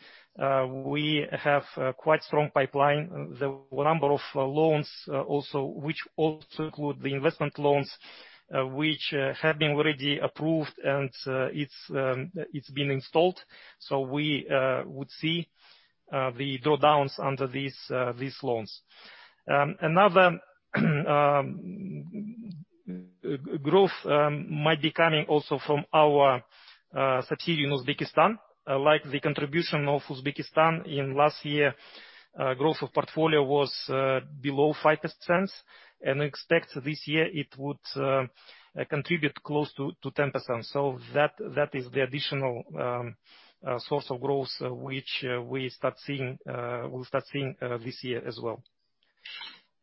we have quite strong pipeline. The number of loans also, which also include the investment loans which have been already approved and it's been installed. We would see the drawdowns under these loans. Another growth might be coming also from our subsidiary in Uzbekistan. Like the contribution of Uzbekistan in last year, growth of portfolio was below 5%. We expect this year it would contribute close to 10%. That is the additional source of growth which we'll start seeing this year as well.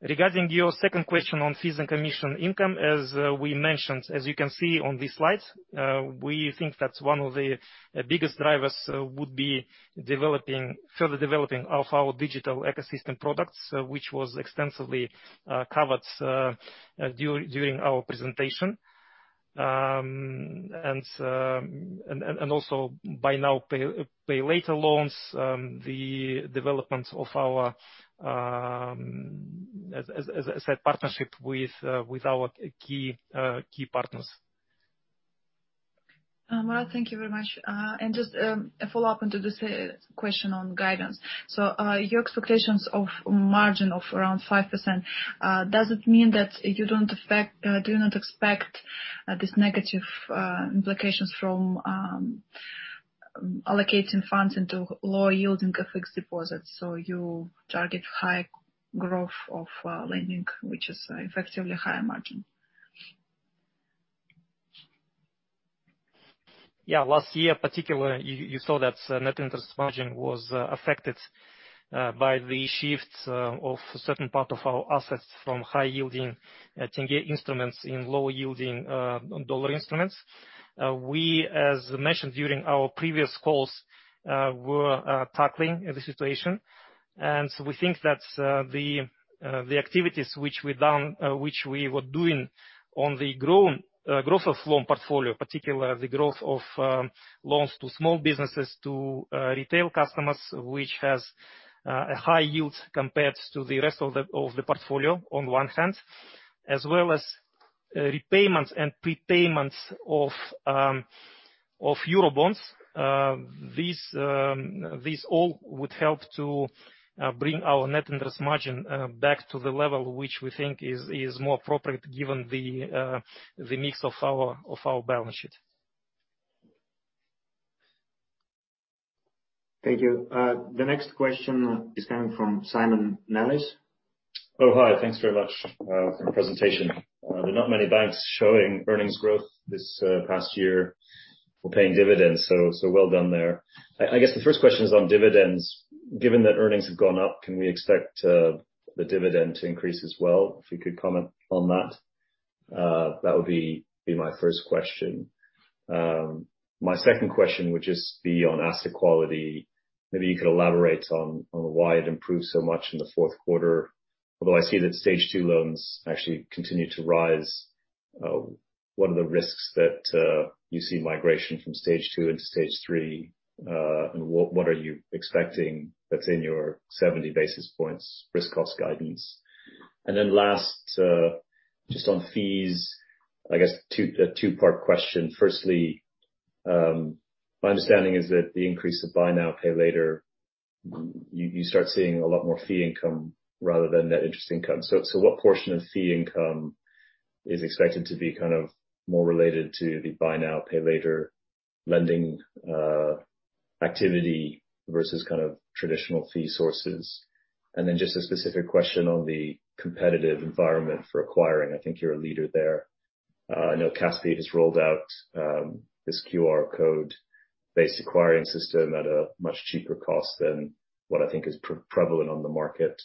Regarding your second question on fees and commission income, as we mentioned, as you can see on this slide, we think that one of the biggest drivers would be further developing of our digital ecosystem products, which was extensively covered during our presentation. Also buy now, pay later loans, the development of our partnerships with our key partners. Murat, thank you very much. Just a follow-up into this question on guidance. Your expectations of margin of around 5%, does it mean that you do not expect these negative implications from allocating funds into lower yielding fixed deposits. You target high growth of lending, which is effectively higher margin. Yeah. Last year, particularly, you saw that net interest margin was affected by the shift of a certain part of our assets from high-yielding KZT instruments in lower yielding dollar instruments. We, as mentioned during our previous calls, were tackling the situation. We think that the activities which we were doing on the growth of loan portfolio, particularly the growth of loans to small businesses, to retail customers, which has a high yield compared to the rest of the portfolio on one hand, as well as repayments and prepayments of Eurobonds, these all would help to bring our net interest margin back to the level which we think is more appropriate given the mix of our balance sheet. Thank you. The next question is coming from Simon Nellis. Hi. Thanks very much for the presentation. There are not many banks showing earnings growth this past year for paying dividends, so well done there. I guess the first question is on dividends. Given that earnings have gone up, can we expect the dividend to increase as well? If you could comment on that would be my first question. My second question would just be on asset quality. Maybe you could elaborate on why it improved so much in the fourth quarter, although I see that stage 2 loans actually continued to rise. What are the risks that you see migration from stage 2 into stage 3? What are you expecting that's in your 70 basis points risk cost guidance? Then last, just on fees, I guess a two-part question. Firstly, my understanding is that the increase of buy now, pay later, you start seeing a lot more fee income rather than net interest income. What portion of fee income is expected to be more related to the buy now, pay later lending activity versus traditional fee sources? Just a specific question on the competitive environment for acquiring. I think you're a leader there. I know Kaspi.kz has rolled out this QR code-based acquiring system at a much cheaper cost than what I think is prevalent on the market.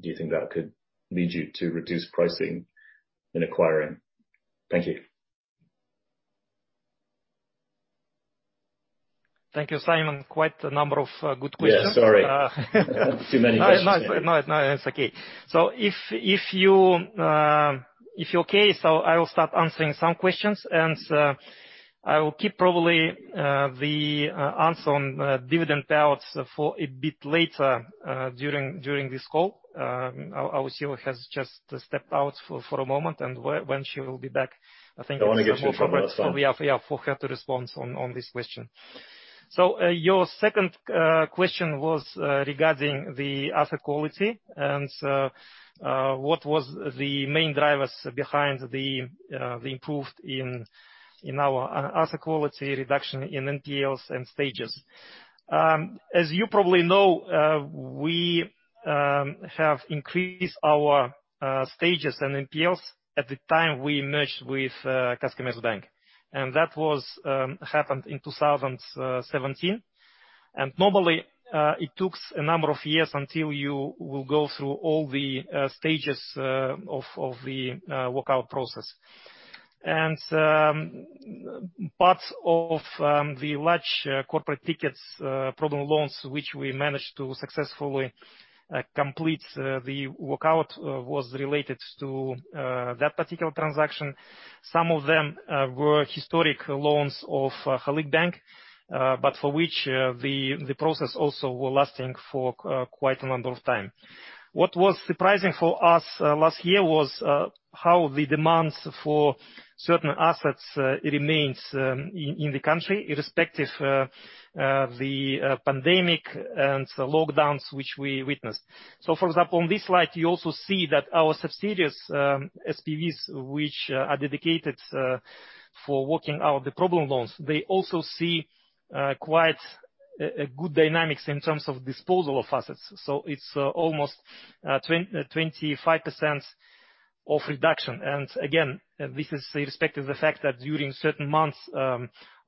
Do you think that could lead you to reduce pricing in acquiring? Thank you. Thank you, Simon. Quite a number of good questions. Yeah, sorry. Too many questions. It's okay. If you're okay, I will start answering some questions, and I will keep probably the answer on dividend payouts for a bit later during this call. Our CEO has just stepped out for the moment, and when she will be back, I think it is more appropriate. I want to get for her to respond on this question. Your second question was regarding the asset quality and what was the main drivers behind the improvement in our asset quality reduction in NPLs and stages. As you probably know, we have increased our stages and NPLs at the time we merged with Kazkommertsbank, and that happened in 2017. Normally, it takes a number of years until you will go through all the stages of the workout process. Part of the large corporate tickets problem loans, which we managed to successfully complete the workout, was related to that particular transaction. Some of them were historic loans of Halyk Bank, but for which the process also was lasting for quite a number of time. What was surprising for us last year was how the demand for certain assets remains in the country irrespective of the pandemic and lockdowns which we witnessed. For example, on this slide, you also see that our subsidiaries, SPVs, which are dedicated for working out the problem loans, they also see quite a good dynamics in terms of disposal of assets. It's almost 25% of reduction. Again, this is irrespective of the fact that during certain months,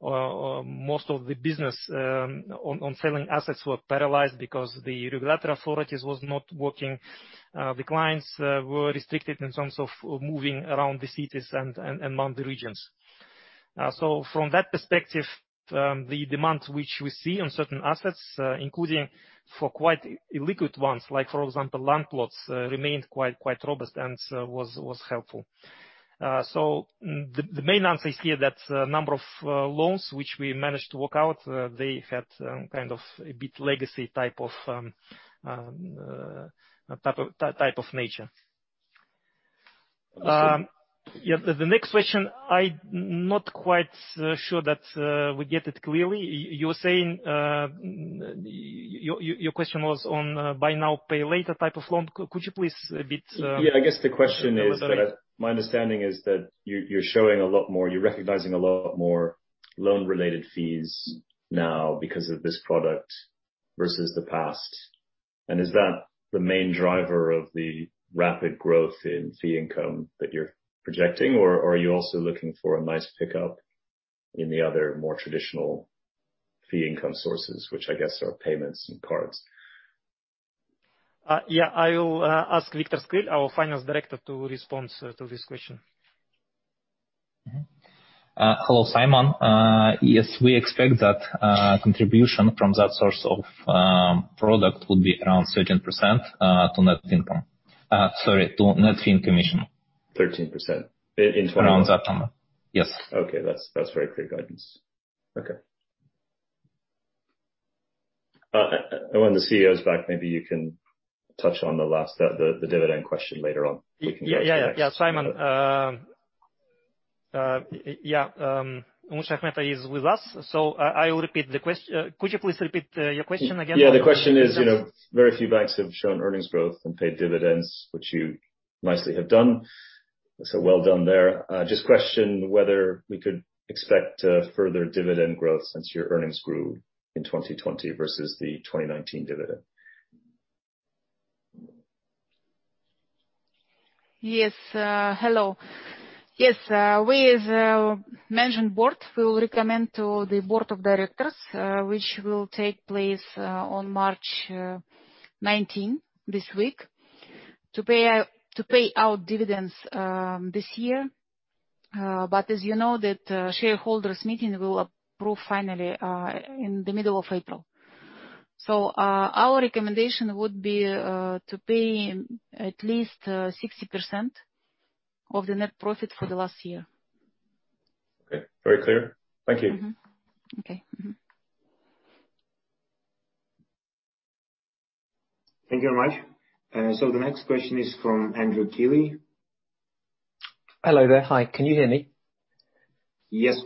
most of the business on selling assets were paralyzed because the regulatory authorities was not working. The clients were restricted in terms of moving around the cities and among the regions. From that perspective, the demand which we see on certain assets, including for quite illiquid ones, like for example, land plots, remained quite robust and was helpful. The main answer is here that the number of loans which we managed to work out, they had kind of a bit legacy type of nature. I see. The next question, I'm not quite sure that we get it clearly. Your question was on buy now, pay later type of loan. Could you please a bit elaborate? Yeah, I guess the question is that my understanding is that you're recognizing a lot more loan-related fees now because of this product versus the past. Is that the main driver of the rapid growth in fee income that you're projecting, or are you also looking for a nice pickup in the other, more traditional fee income sources, which I guess are payments and cards? Yeah. I will ask Viktor Skryl, our finance director, to respond to this question. Hello, Simon. Yes, we expect that contribution from that source of product would be around 13% to net income. Sorry, to net fee and commission. 13% in Around that number. Yes. Okay. That's very clear guidance. Okay. When the CEO's back, maybe you can touch on the last, the dividend question later on. We can go to the next. Yeah. Simon, Umut Shayakhmetova is with us, so I will repeat the question. Could you please repeat your question again? Yeah. The question is, very few banks have shown earnings growth and paid dividends, which you nicely have done. Well done there. Just question whether we could expect further dividend growth since your earnings grew in 2020 versus the 2019 dividend? Yes. Hello. Yes, we as a management board, we will recommend to the board of directors, which will take place on March 19th, this week, to pay out dividends this year. As you know, that shareholders meeting will approve finally in the middle of April. Our recommendation would be to pay at least 60% of the net profit for the last year. Okay. Very clear. Thank you. Mm-hmm. Okay. Mm-hmm. Thank you very much. The next question is from Andrew Keeley. Hello there. Hi. Can you hear me? Yes.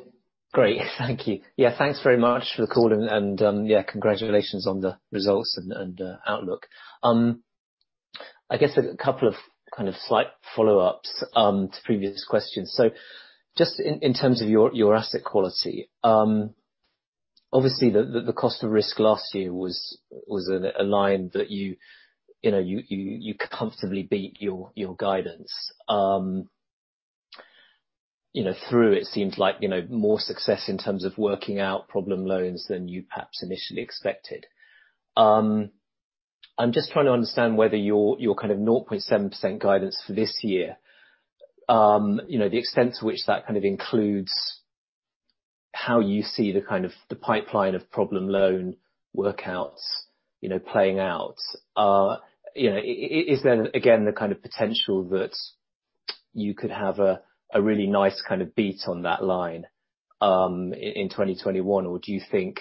Great. Thank you. Thanks very much for the call and congratulations on the results and outlook. I guess a couple of slight follow-ups to previous questions. Just in terms of your asset quality, obviously the cost of risk last year was a line that you comfortably beat your guidance. It seems like more success in terms of working out problem loans than you perhaps initially expected. I'm just trying to understand whether your 0.7% guidance for this year, the extent to which that includes how you see the pipeline of problem loan workouts playing out. Is there, again, the kind of potential that you could have a really nice kind of beat on that line in 2021, or do you think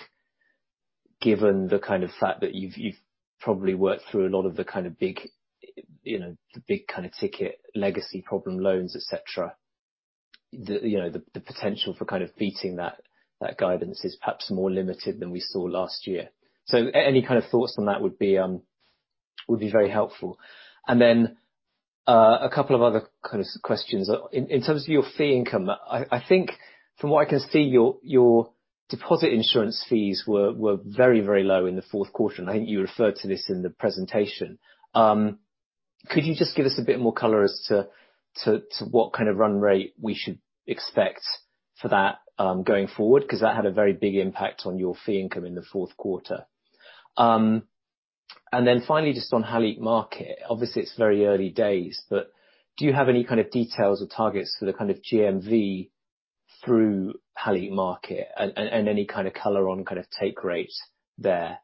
given the kind of fact that you've probably worked through a lot of the big kind of ticket legacy problem loans, et cetera, the potential for kind of beating that guidance is perhaps more limited than we saw last year? So any kind of thoughts on that would be very helpful. Then, a couple of other kind of questions. In terms of your fee income, I think from what I can see, your deposit insurance fees were very low in the fourth quarter, and I think you referred to this in the presentation. Could you just give us a bit more color as to what kind of run rate we should expect for that going forward? Because that had a very big impact on your fee income in the fourth quarter. Finally, just on Halyk Market, obviously it's very early days, but do you have any kind of details or targets for the kind of GMV through Halyk Market and any kind of color on kind of take rate there?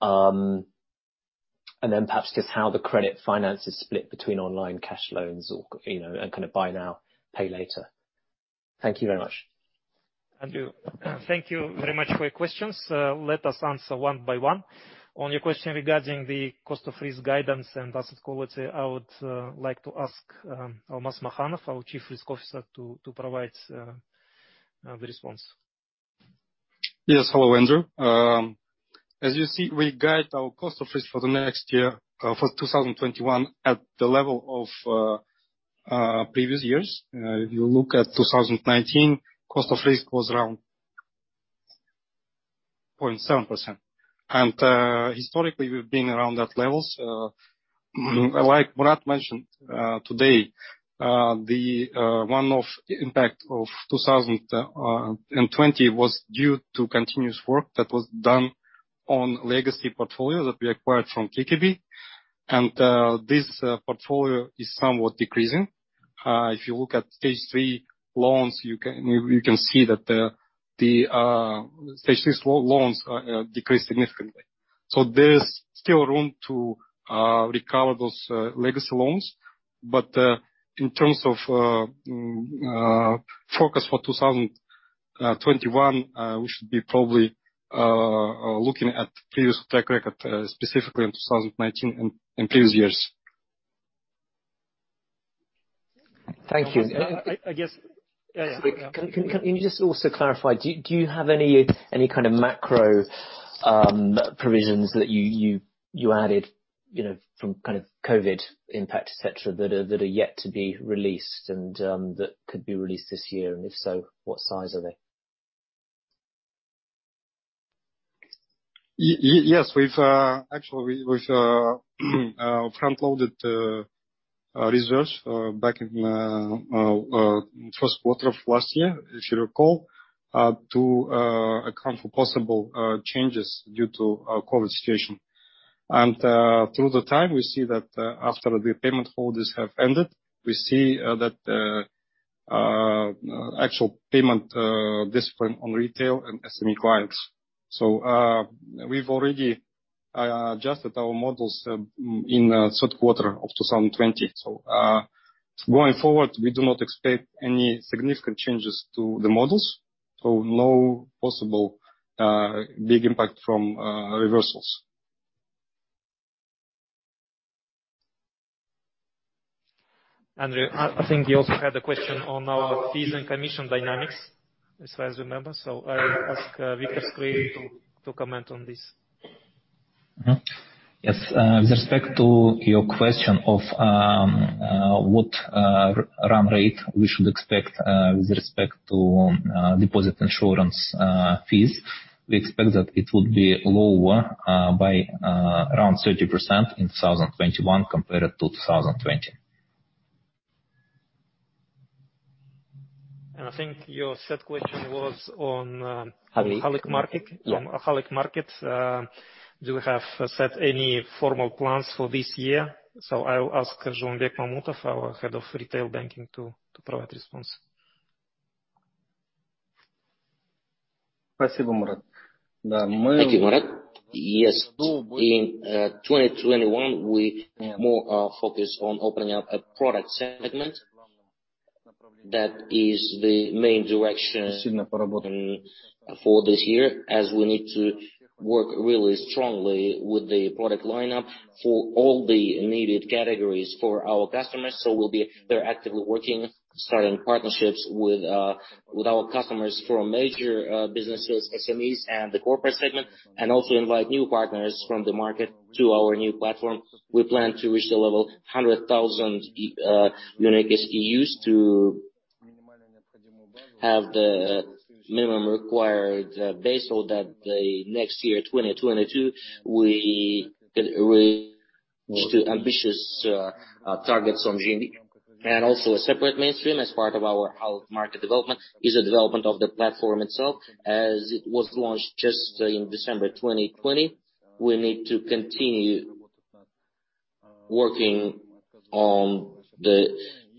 Perhaps just how the credit finance is split between online cash loans or kind of buy now, pay later? Thank you very much. Andrew, thank you very much for your questions. Let us answer one by one. On your question regarding the cost of risk guidance and asset quality, I would like to ask Almas Makhanov, our Chief Risk Officer, to provide the response. Yes. Hello, Andrew. As you see, we guide our cost of risk for the next year, for 2021, at the level of previous years. If you look at 2019, cost of risk was around 0.7%. Historically we've been around that level. Like Murat mentioned today, the one-off impact of 2020 was due to continuous work that was done on legacy portfolio that we acquired from KKB, and this portfolio is somewhat decreasing. If you look at stage 3 loans, you can see that the stage 3 loans decreased significantly. There is still room to recover those legacy loans. In terms of focus for 2021, we should be probably looking at previous track record, specifically in 2019 and previous years. Thank you. Can you just also clarify, do you have any kind of macro provisions that you added from kind of COVID impact, et cetera, that are yet to be released and that could be released this year? If so, what size are they? Yes. Actually, we front-loaded reserves back in the first quarter of last year, if you recall, to account for possible changes due to our COVID situation. Through the time, we see that after the repayment holidays have ended, we see actual payment discipline on retail and SME clients. We've already adjusted our models in the third quarter of 2020. Going forward, we do not expect any significant changes to the models, so no possible big impact from reversals. Andrew, I think you also had a question on our fees and commission dynamics, as far as I remember. I'll ask Viktor Skryl to comment on this. Yes. With respect to your question of what run rate we should expect with respect to deposit insurance fees, we expect that it would be lower by around 30% in 2021 compared to 2020. And I think your third question was on- Halyk Halyk Market. Yeah. Halyk Market. Do we have set any formal plans for this year? I will ask Zhumabek Mamutov, our Head of Retail Banking, to provide response. Thank you, Murat. Yes. In 2021, we more focused on opening up a product segment. That is the main direction for this year, as we need to work really strongly with the product lineup for all the immediate categories for our customers. We'll be very actively working, starting partnerships with our customers from major businesses, SMEs, and the corporate segment, and also invite new partners from the market to our new platform. We plan to reach the level 100,000 unique SKUs to have the minimum required base so that the next year, 2022, we can reach the ambitious targets on GMV. A separate mainstream as part of our Halyk Market development is the development of the platform itself. As it was launched just in December 2020, we need to continue working on the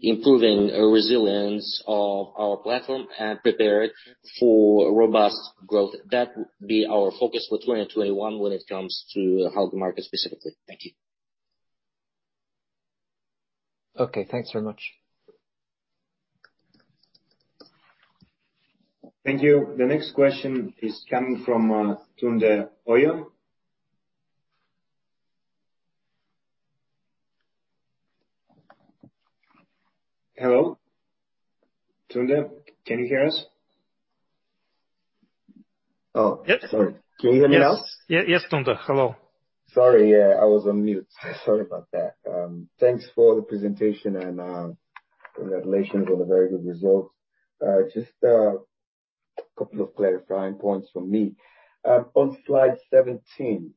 improving resilience of our platform and prepare it for robust growth. That will be our focus for 2021 when it comes to Halyk Market specifically. Thank you. Okay, thanks very much. Thank you. The next question is coming from Tunde Oyo. Hello? Tunde, can you hear us? Yes. Oh, sorry. Can you hear me now? Yes, Tunde. Hello. Sorry, I was on mute. Sorry about that. Thanks for the presentation and congratulations on the very good results. Just a couple of clarifying points from me. On slide 17,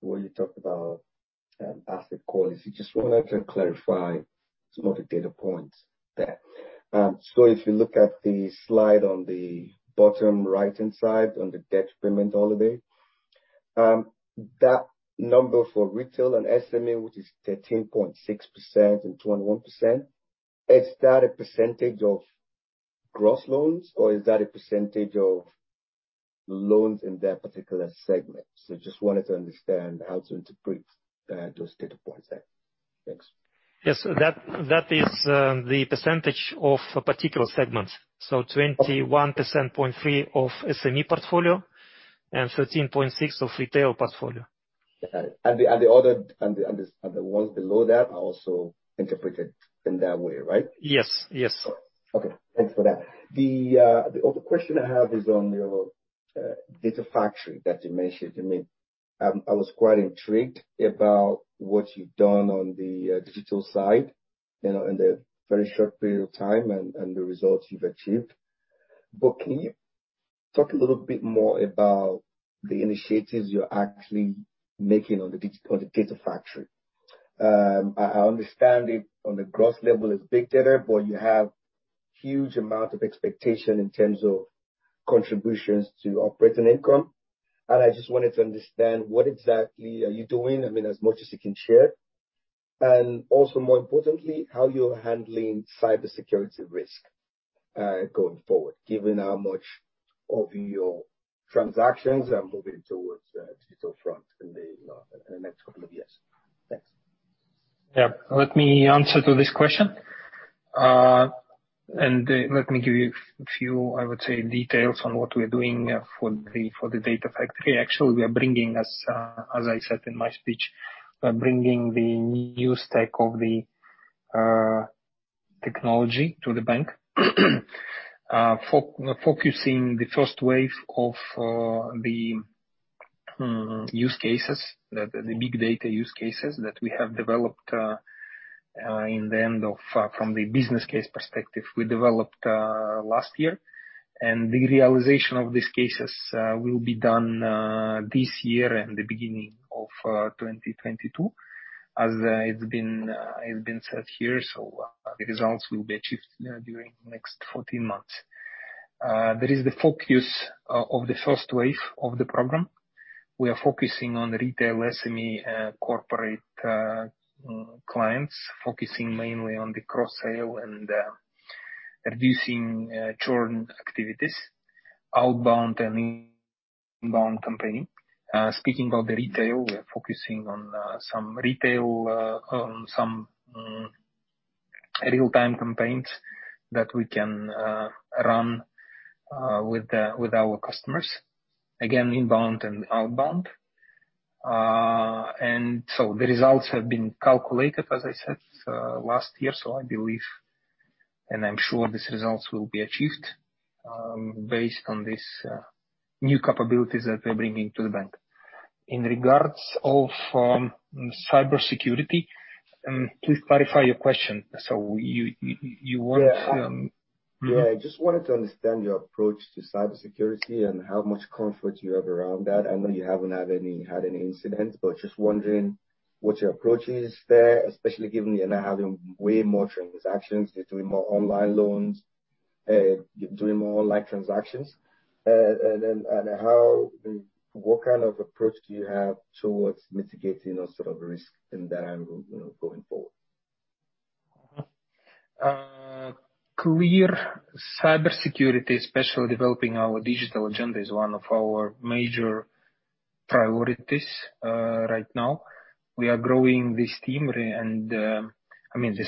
where you talked about asset quality, just wanted to clarify some of the data points there. If you look at the slide on the bottom right-hand side on the debt payment holiday, that number for retail and SME, which is 13.6% and 21%, is that a percentage of gross loans or is that a percentage of loans in that particular segment? Just wanted to understand how to interpret those data points there. Thanks. Yes. That is the percentage of a particular segment. 21.3% of SME portfolio and 13.6% of retail portfolio. Got it. The ones below that are also interpreted in that way, right? Yes. Okay. Thanks for that. The other question I have is on your data factory that you mentioned. I was quite intrigued about what you've done on the digital side in the very short period of time and the results you've achieved. Can you talk a little bit more about the initiatives you're actually making on the data factory? I understand it on the gross level is big data, but you have huge amount of expectation in terms of contributions to operating income. I just wanted to understand what exactly are you doing, as much as you can share. Also more importantly, how you're handling cybersecurity risk, going forward, given how much of your transactions are moving towards digital front in the next couple of years. Thanks. Yeah. Let me answer to this question. Let me give you a few, I would say, details on what we're doing for the data factory. Actually, we are bringing, as I said in my speech, we're bringing the new stack of the technology to the bank. Use cases, the big data use cases that we have developed from the business case perspective we developed last year. The realization of these cases will be done this year and the beginning of 2022, as it's been said here. The results will be achieved during the next 14 months. That is the focus of the first wave of the program. We are focusing on retail SME corporate clients, focusing mainly on the cross-sale and reducing churn activities, outbound and inbound campaigning. Speaking of the retail, we are focusing on some real-time campaigns that we can run with our customers, again, inbound and outbound. The results have been calculated, as I said, last year. I believe, and I'm sure these results will be achieved based on these new capabilities that we're bringing to the bank. In regards of cybersecurity, please clarify your question. So you want- Yeah. I just wanted to understand your approach to cybersecurity and how much comfort you have around that. I know you haven't had any incidents, but just wondering what your approach is there, especially given you're now having way more transactions, you're doing more online loans, you're doing more online transactions. What kind of approach do you have towards mitigating those sort of risks in that angle going forward? Clear cybersecurity, especially developing our digital agenda, is one of our major priorities right now. We are growing this team, the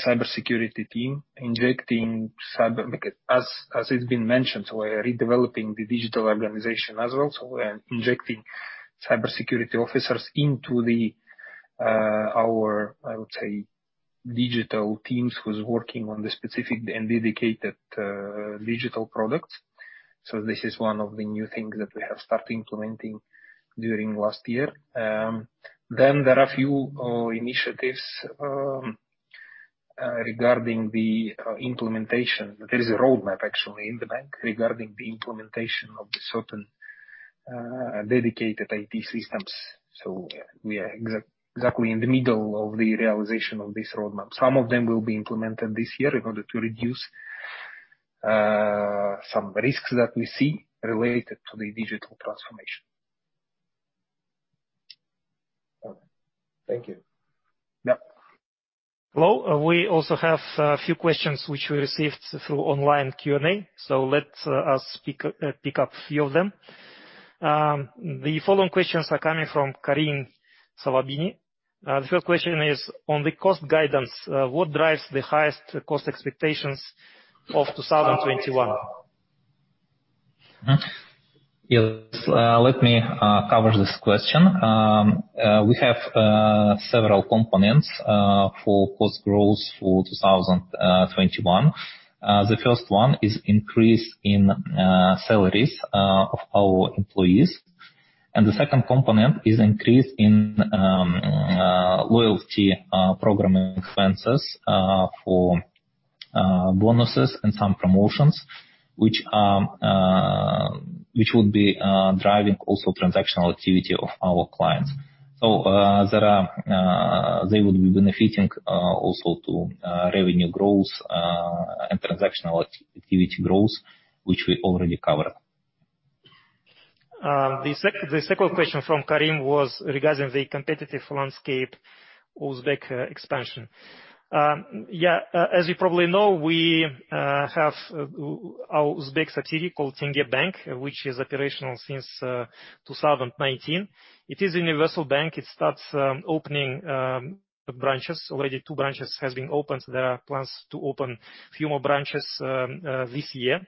cybersecurity team, injecting cyber because as it's been mentioned, we are redeveloping the digital organization as well. We are injecting cybersecurity officers into our digital teams who's working on the specific and dedicated digital products. This is one of the new things that we have started implementing during last year. There are few initiatives regarding the implementation. There is a roadmap actually in the bank regarding the implementation of certain dedicated IT systems. We are exactly in the middle of the realization of this roadmap. Some of them will be implemented this year in order to reduce some risks that we see related to the digital transformation. Okay. Thank you. Yeah. Hello. We also have a few questions which we received through online Q&A. Let us pick up a few of them. The following questions are coming from Karim Sawabini. The first question is, on the cost guidance, what drives the highest cost expectations of 2021? Yes. Let me cover this question. We have several components for cost growth for 2021. The first one is increase in salaries of our employees, and the second component is increase in loyalty program expenses for bonuses and some promotions, which will be driving also transactional activity of our clients. They will be benefiting also to revenue growth and transactional activity growth, which we already covered. The second question from Karim was regarding the competitive landscape Uzbek expansion. Yeah. As you probably know, we have our Uzbek subsidiary called Tenge Bank, which is operational since 2019. It is a universal bank. It starts opening branches. Already two branches has been opened. There are plans to open a few more branches this year.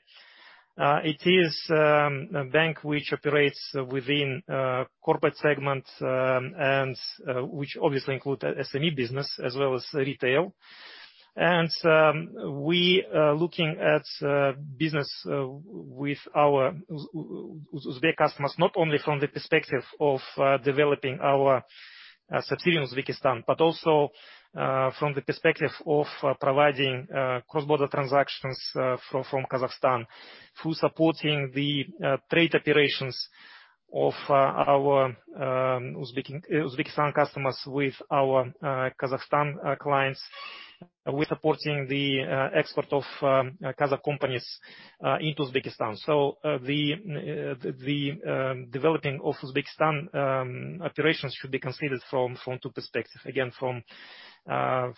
It is a bank which operates within corporate segment, and which obviously include SME business as well as retail. We are looking at business with our Uzbek customers, not only from the perspective of developing our subsidiary in Uzbekistan, but also from the perspective of providing cross-border transactions from Kazakhstan through supporting the trade operations of our Uzbekistan customers with our Kazakhstan clients. We're supporting the export of Kazakh companies into Uzbekistan. The developing of Uzbekistan operations should be considered from two perspectives. From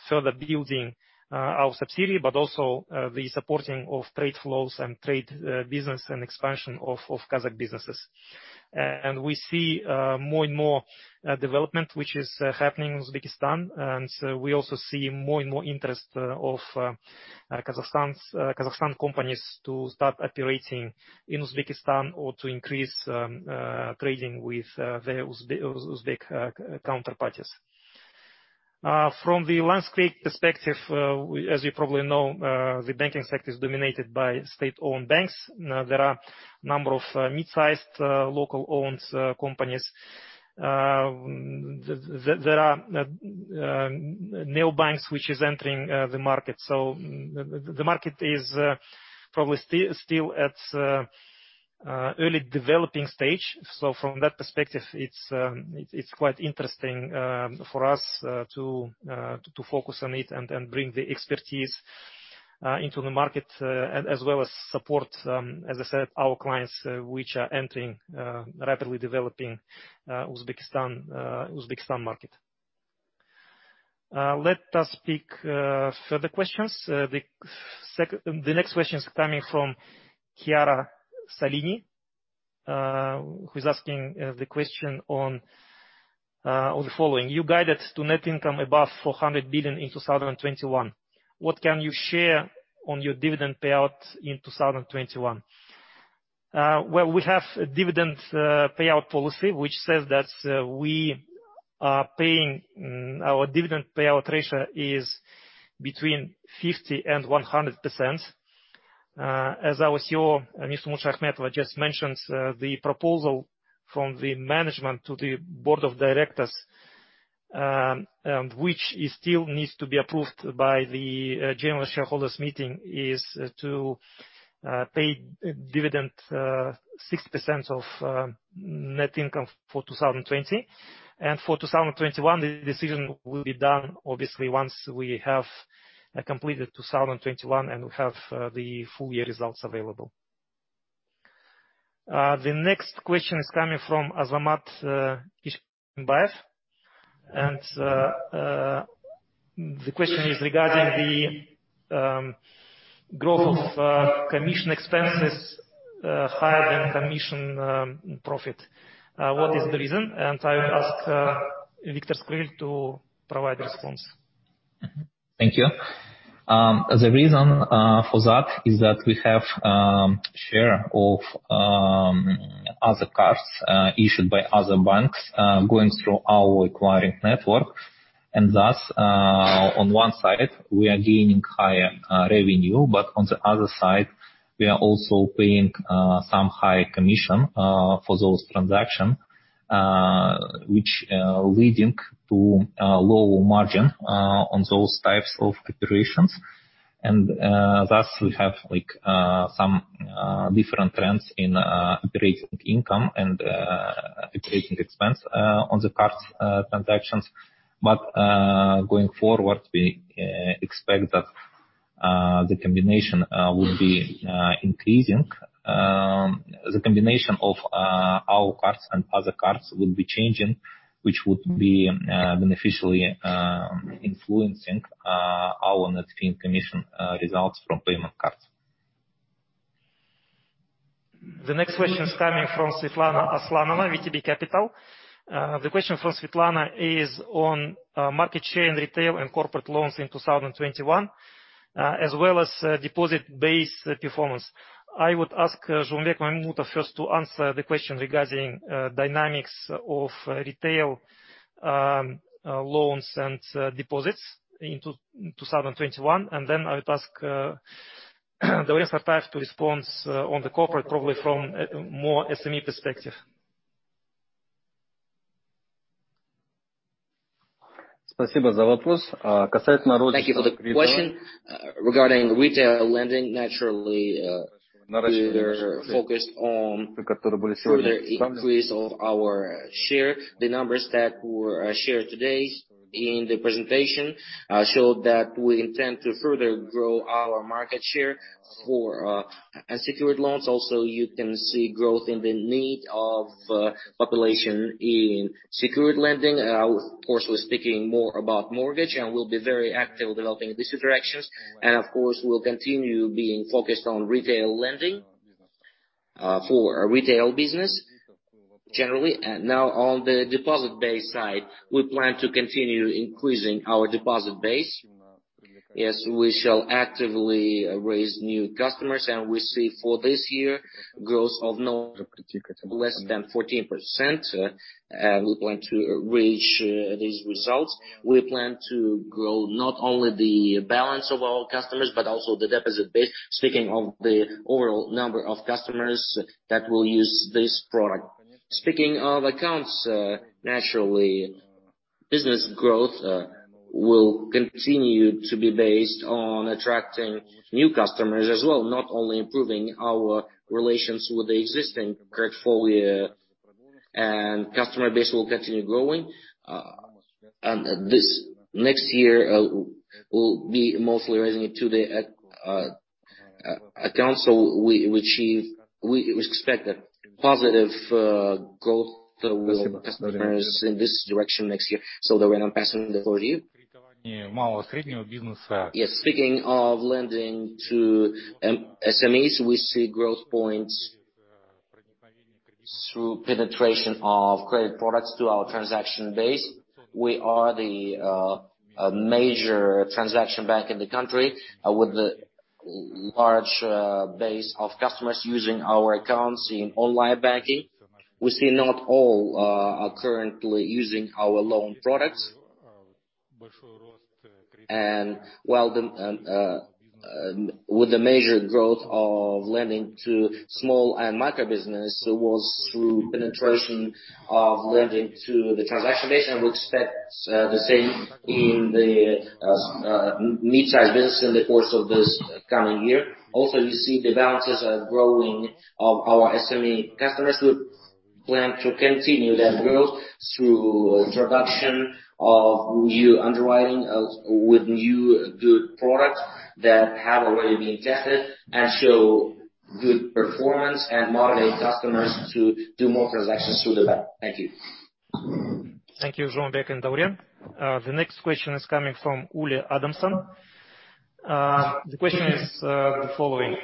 further building our subsidiary, but also the supporting of trade flows and trade business and expansion of Kazakh businesses. We see more and more development, which is happening in Uzbekistan, and we also see more and more interest of Kazakhstan companies to start operating in Uzbekistan or to increase trading with their Uzbek counterparties. From the landscape perspective, as you probably know, the banking sector is dominated by state-owned banks. There are a number of mid-sized local-owned companies. There are neobanks which are entering the market. The market is probably still at early developing stage. From that perspective, it's quite interesting for us to focus on it and bring the expertise into the market as well as support, as I said, our clients, which are entering rapidly developing Uzbekistan market. Let us pick further questions. The next question is coming from [Chiara Salini], who's asking the question on the following: You guided to net income above KZT 400 billion in 2021. What can you share on your dividend payout in 2021? Well, we have a dividend payout policy, which says that our dividend payout ratio is between 50% and 100%. As our CEO, Mr. Shayakhmetova just mentioned, the proposal from the management to the board of directors, which still needs to be approved by the general shareholders meeting, is to pay dividend 60% of net income for 2020. For 2021, the decision will be done obviously once we have completed 2021 and we have the full year results available. The next question is coming from Azamat Ishbaev, and the question is regarding the growth of commission expenses higher than commission profit. What is the reason? I would ask Viktor Skryl to provide response. Thank you. The reason for that is that we have share of other cards issued by other banks going through our acquiring network. On one side, we are gaining higher revenue, but on the other side, we are also paying some high commission for those transaction, which leading to lower margin on those types of operations. We have some different trends in operating income and operating expense on the cards transactions. Going forward, we expect that the combination will be increasing. The combination of our cards and other cards will be changing, which would be beneficially influencing our net fee and commission results from payment cards. The next question is coming from Svetlana Aslanova, VTB Capital. The question from Svetlana is on market share in retail and corporate loans in 2021, as well as deposit base performance. I would ask Zhumabek Mamutov first to answer the question regarding dynamics of retail loans and deposits in 2021. Then I would ask Dauren Sartayev to respond on the corporate, probably from a more SME perspective. Thank you for the question. Regarding retail lending, naturally, we are focused on further increase of our share. The numbers that were shared today in the presentation showed that we intend to further grow our market share for unsecured loans. Also, you can see growth in the need of population in secured lending. Of course, we're speaking more about mortgage, and we'll be very active developing these directions. Of course, we'll continue being focused on retail lending for retail business generally. Now on the deposit base side, we plan to continue increasing our deposit base. Yes, we shall actively raise new customers, and we see for this year growth of not less than 14%, and we plan to reach these results. We plan to grow not only the balance of our customers but also the deposit base, speaking of the overall number of customers that will use this product. Speaking of accounts, naturally, business growth will continue to be based on attracting new customers as well, not only improving our relations with the existing portfolio. Customer base will continue growing. This next year, we'll be mostly raising it to the accounts. We expect that positive growth will continue in this direction next year. Dauren, I'm passing the floor to you. Speaking of lending to SMEs, we see growth points through penetration of credit products to our transaction base. We are the major transaction bank in the country with a large base of customers using our accounts in online banking. We see not all are currently using our loan products. With the major growth of lending to small and micro business was through penetration of lending through the transaction base, and we expect the same in the mid-size business in the course of this coming year. You see the balances are growing of our SME customers who plan to continue that growth through introduction of new underwriting with new good products that have already been tested and show good performance and motivate customers to do more transactions through the bank. Thank you. Thank you, Zhumabek and Dauren. The next question is coming from Uli Adamson. The question is the following: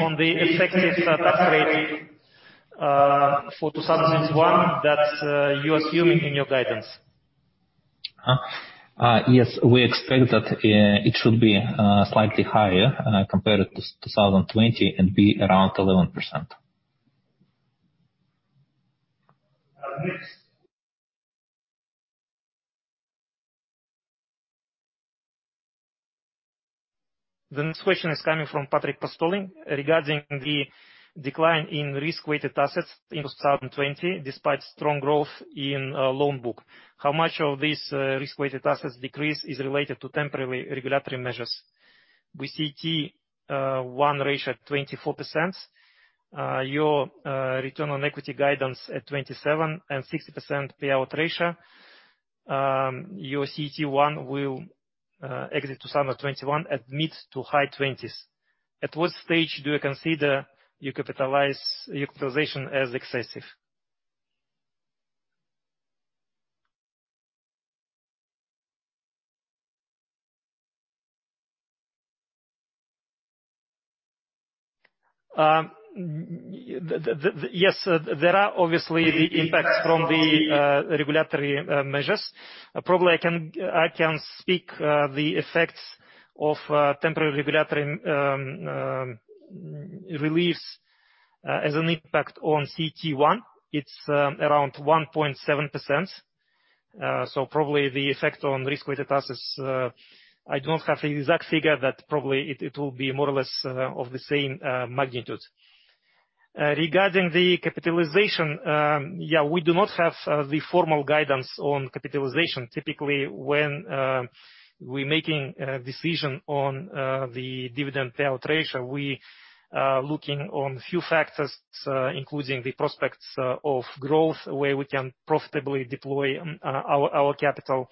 on the effective tax rate for 2021 that you're assuming in your guidance. Yes. We expect that it should be slightly higher compared to 2020 and be around 11%. Next. The next question is coming from Patrick Postoling, regarding the decline in risk-weighted assets in 2020 despite strong growth in loan book. How much of this risk-weighted assets decrease is related to temporary regulatory measures? We see T1 ratio at 24%, your return on equity guidance at 27% and 60% payout ratio. Your CET1 will exit 2021 at mid to high 20s. At what stage do you consider your capitalization as excessive? Yes, there are obviously the impacts from the regulatory measures. Probably I can speak the effects of temporary regulatory relief as an impact on CET1. It is around 1.7%. Probably the effect on risk-weighted assets, I do not have the exact figure, but probably it will be more or less of the same magnitude. Regarding the capitalization, yeah, we do not have the formal guidance on capitalization. Typically, when we are making a decision on the dividend payout ratio, we looking on few factors, including the prospects of growth, where we can profitably deploy our capital.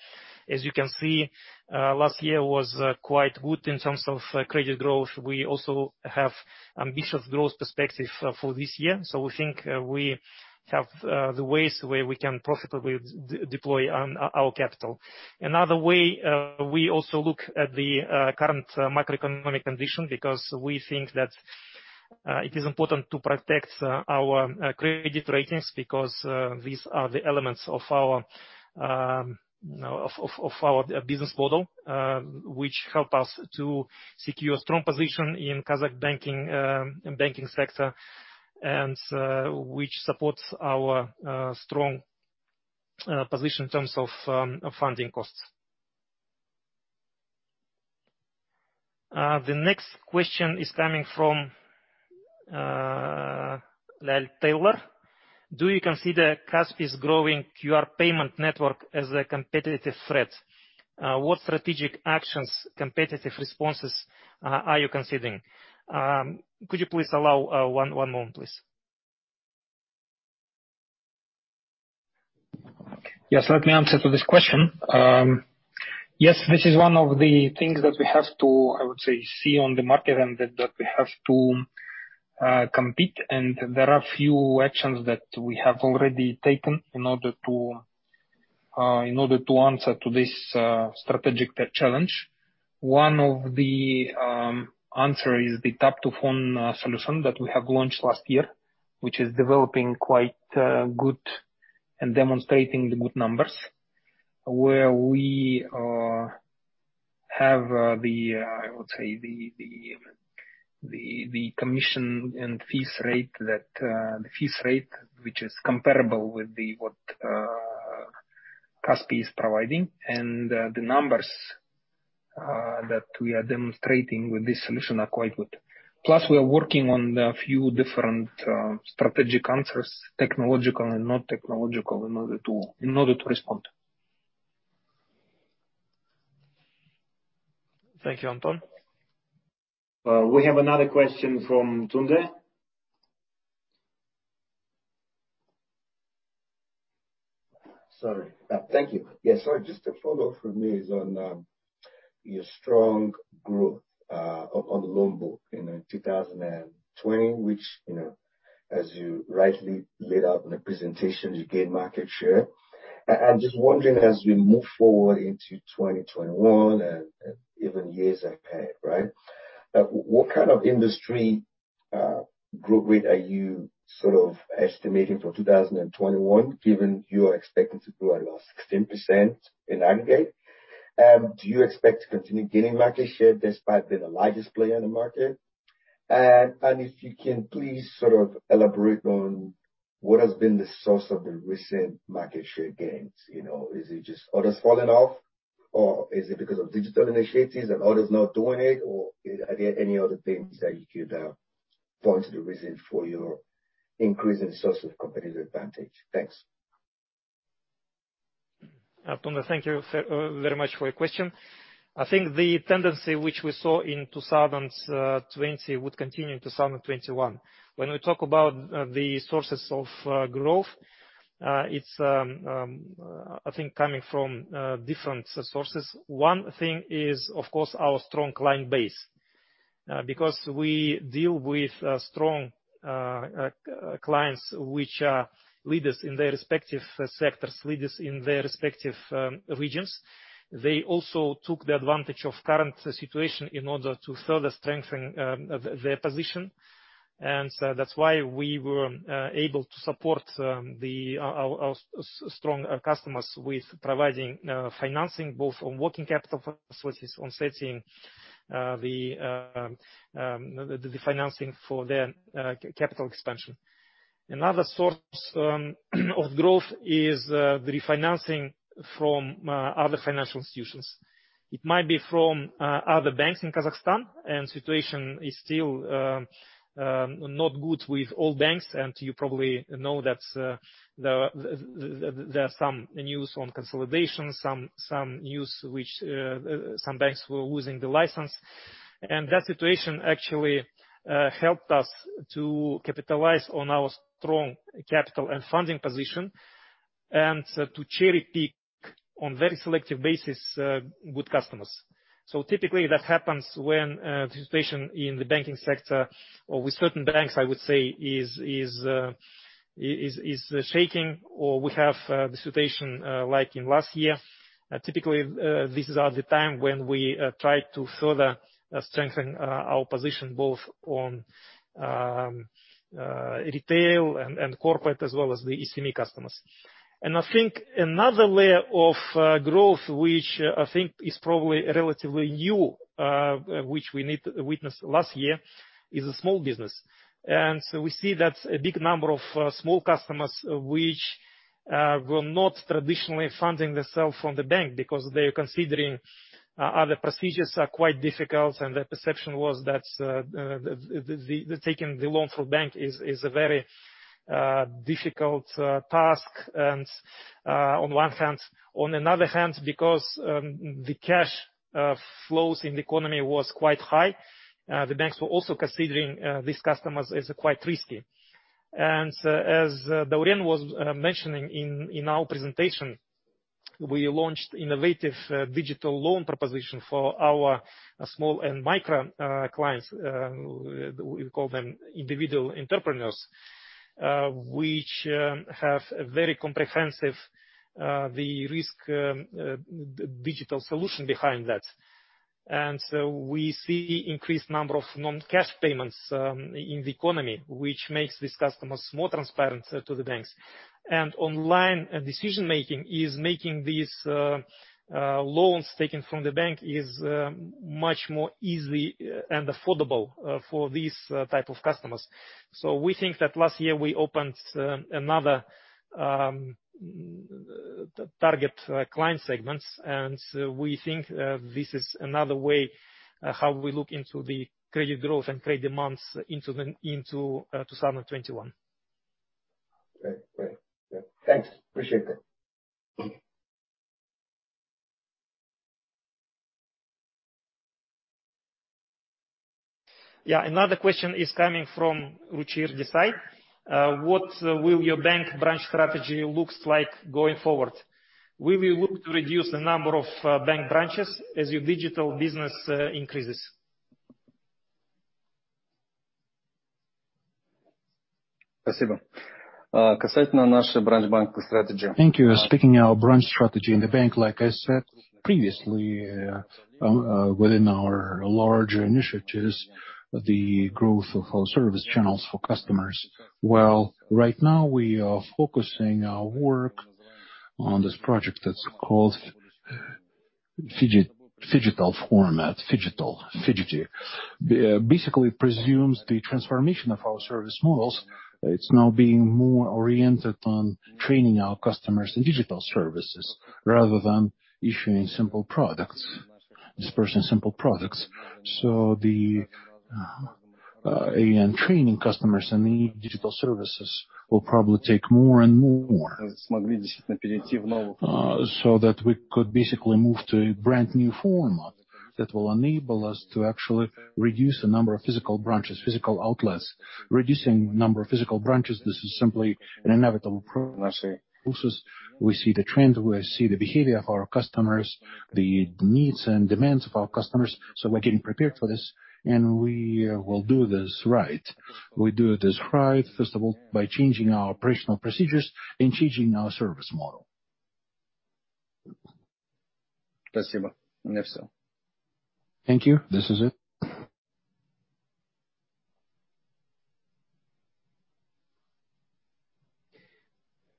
As you can see, last year was quite good in terms of credit growth. We also have ambitious growth perspective for this year. We think we have the ways where we can profitably deploy our capital. Another way, we also look at the current macroeconomic condition because we think that it is important to protect our credit ratings because these are the elements of our business model, which help us to secure strong position in Kazakh banking sector and which supports our strong position in terms of funding costs. The next question is coming from Lyle Taylor. Do you consider Kaspi.kz growing QR payment network as a competitive threat? What strategic actions, competitive responses are you considering? Could you please allow one moment, please? Yes, let me answer to this question. Yes, this is one of the things that we have to, I would say, see on the market and that we have to compete. There are few actions that we have already taken in order to answer to this strategic challenge. One of the answer is the tap-to-phone solution that we have launched last year, which is developing quite good and demonstrating the good numbers, where we have the, I would say, the commission and fees rate, which is comparable with what Kaspi.kz is providing. The numbers that we are demonstrating with this solution are quite good. We are working on a few different strategic answers, technological and not technological in order to respond. Thank you, Anton. We have another question from Tunde. Sorry. Thank you. Yeah, sorry, just a follow-up from me is on your strong growth on the loan book in 2020, which as you rightly laid out in the presentation, you gained market share. I'm just wondering, as we move forward into 2021 and even years ahead, right, what kind of industry growth rate are you sort of estimating for 2021, given you are expecting to grow at least 16% in aggregate? Do you expect to continue gaining market share despite being the largest player in the market? If you can please sort of elaborate on what has been the source of the recent market share gains. Is it just others falling off, or is it because of digital initiatives and others not doing it? Are there any other things that you could point to the reason for your increasing source of competitive advantage? Thanks. Tunde, thank you very much for your question. I think the tendency which we saw in 2020 would continue in 2021. When we talk about the sources of growth, it's I think coming from different sources. One thing is, of course, our strong client base. Because we deal with strong clients which are leaders in their respective sectors, leaders in their respective regions, they also took the advantage of current situation in order to further strengthen their position. That's why we were able to support our strong customers with providing financing, both on working capital facilities, on setting the refinancing for their capital expansion. Another source of growth is the refinancing from other financial institutions. It might be from other banks in Kazakhstan, and situation is still not good with all banks. You probably know that there are some news on consolidation, some news which some banks were losing the license. That situation actually helped us to capitalize on our strong capital and funding position and to cherry-pick on very selective basis good customers. Typically, that happens when the situation in the banking sector or with certain banks, I would say, is shaking or we have a situation like in last year. Typically, this is the time when we try to further strengthen our position, both on retail and corporate, as well as the SME customers. I think another layer of growth, which I think is probably relatively new, which we witnessed last year, is the small business. We see that a big number of small customers which were not traditionally funding themselves from the bank because they are considering other procedures are quite difficult, and their perception was that taking the loan from bank is a very difficult task, and on one hand. On another hand, because the cash flows in the economy was quite high, the banks were also considering these customers as quite risky. As Dauren was mentioning in our presentation, we launched innovative digital loan proposition for our small and micro clients, we call them individual entrepreneurs, which have a very comprehensive risk digital solution behind that. We see increased number of non-cash payments in the economy, which makes these customers more transparent to the banks. Online decision-making is making these loans taken from the bank much more easy and affordable for these type of customers. We think that last year we opened another target client segments, and we think this is another way how we look into the credit growth and credit demands into 2021. Great. Thanks. Appreciate that. Yeah. Another question is coming from Ruchir Desai. What will your bank branch strategy looks like going forward? Will you look to reduce the number of bank branches as your digital business increases? Thank you. Speaking our branch strategy in the bank, like I said previously, within our larger initiatives, the growth of our service channels for customers. Right now we are focusing our work on this project that's called phygital format. phygital. Basically presumes the transformation of our service models. It's now being more oriented on training our customers in digital services rather than issuing simple products, dispersing simple products. The training customers in the digital services will probably take more and more so that we could basically move to a brand new format that will enable us to actually reduce the number of physical branches, physical outlets. Reducing number of physical branches, this is simply an inevitable process. We see the trend, we see the behavior of our customers, the needs and demands of our customers, so we're getting prepared for this, and we will do this right. We do this right, first of all, by changing our operational procedures and changing our service model. Thank you. This is it.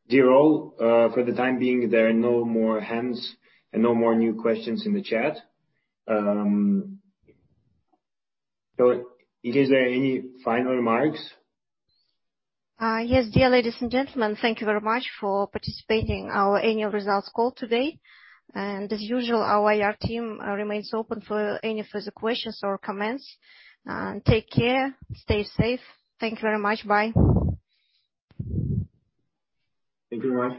Dear all, for the time being, there are no more hands and no more new questions in the chat. Is there any final remarks? Yes. Dear ladies and gentlemen, thank you very much for participating our annual results call today. As usual, our IR team remains open for any further questions or comments. Take care. Stay safe. Thank you very much. Bye. Thank you very much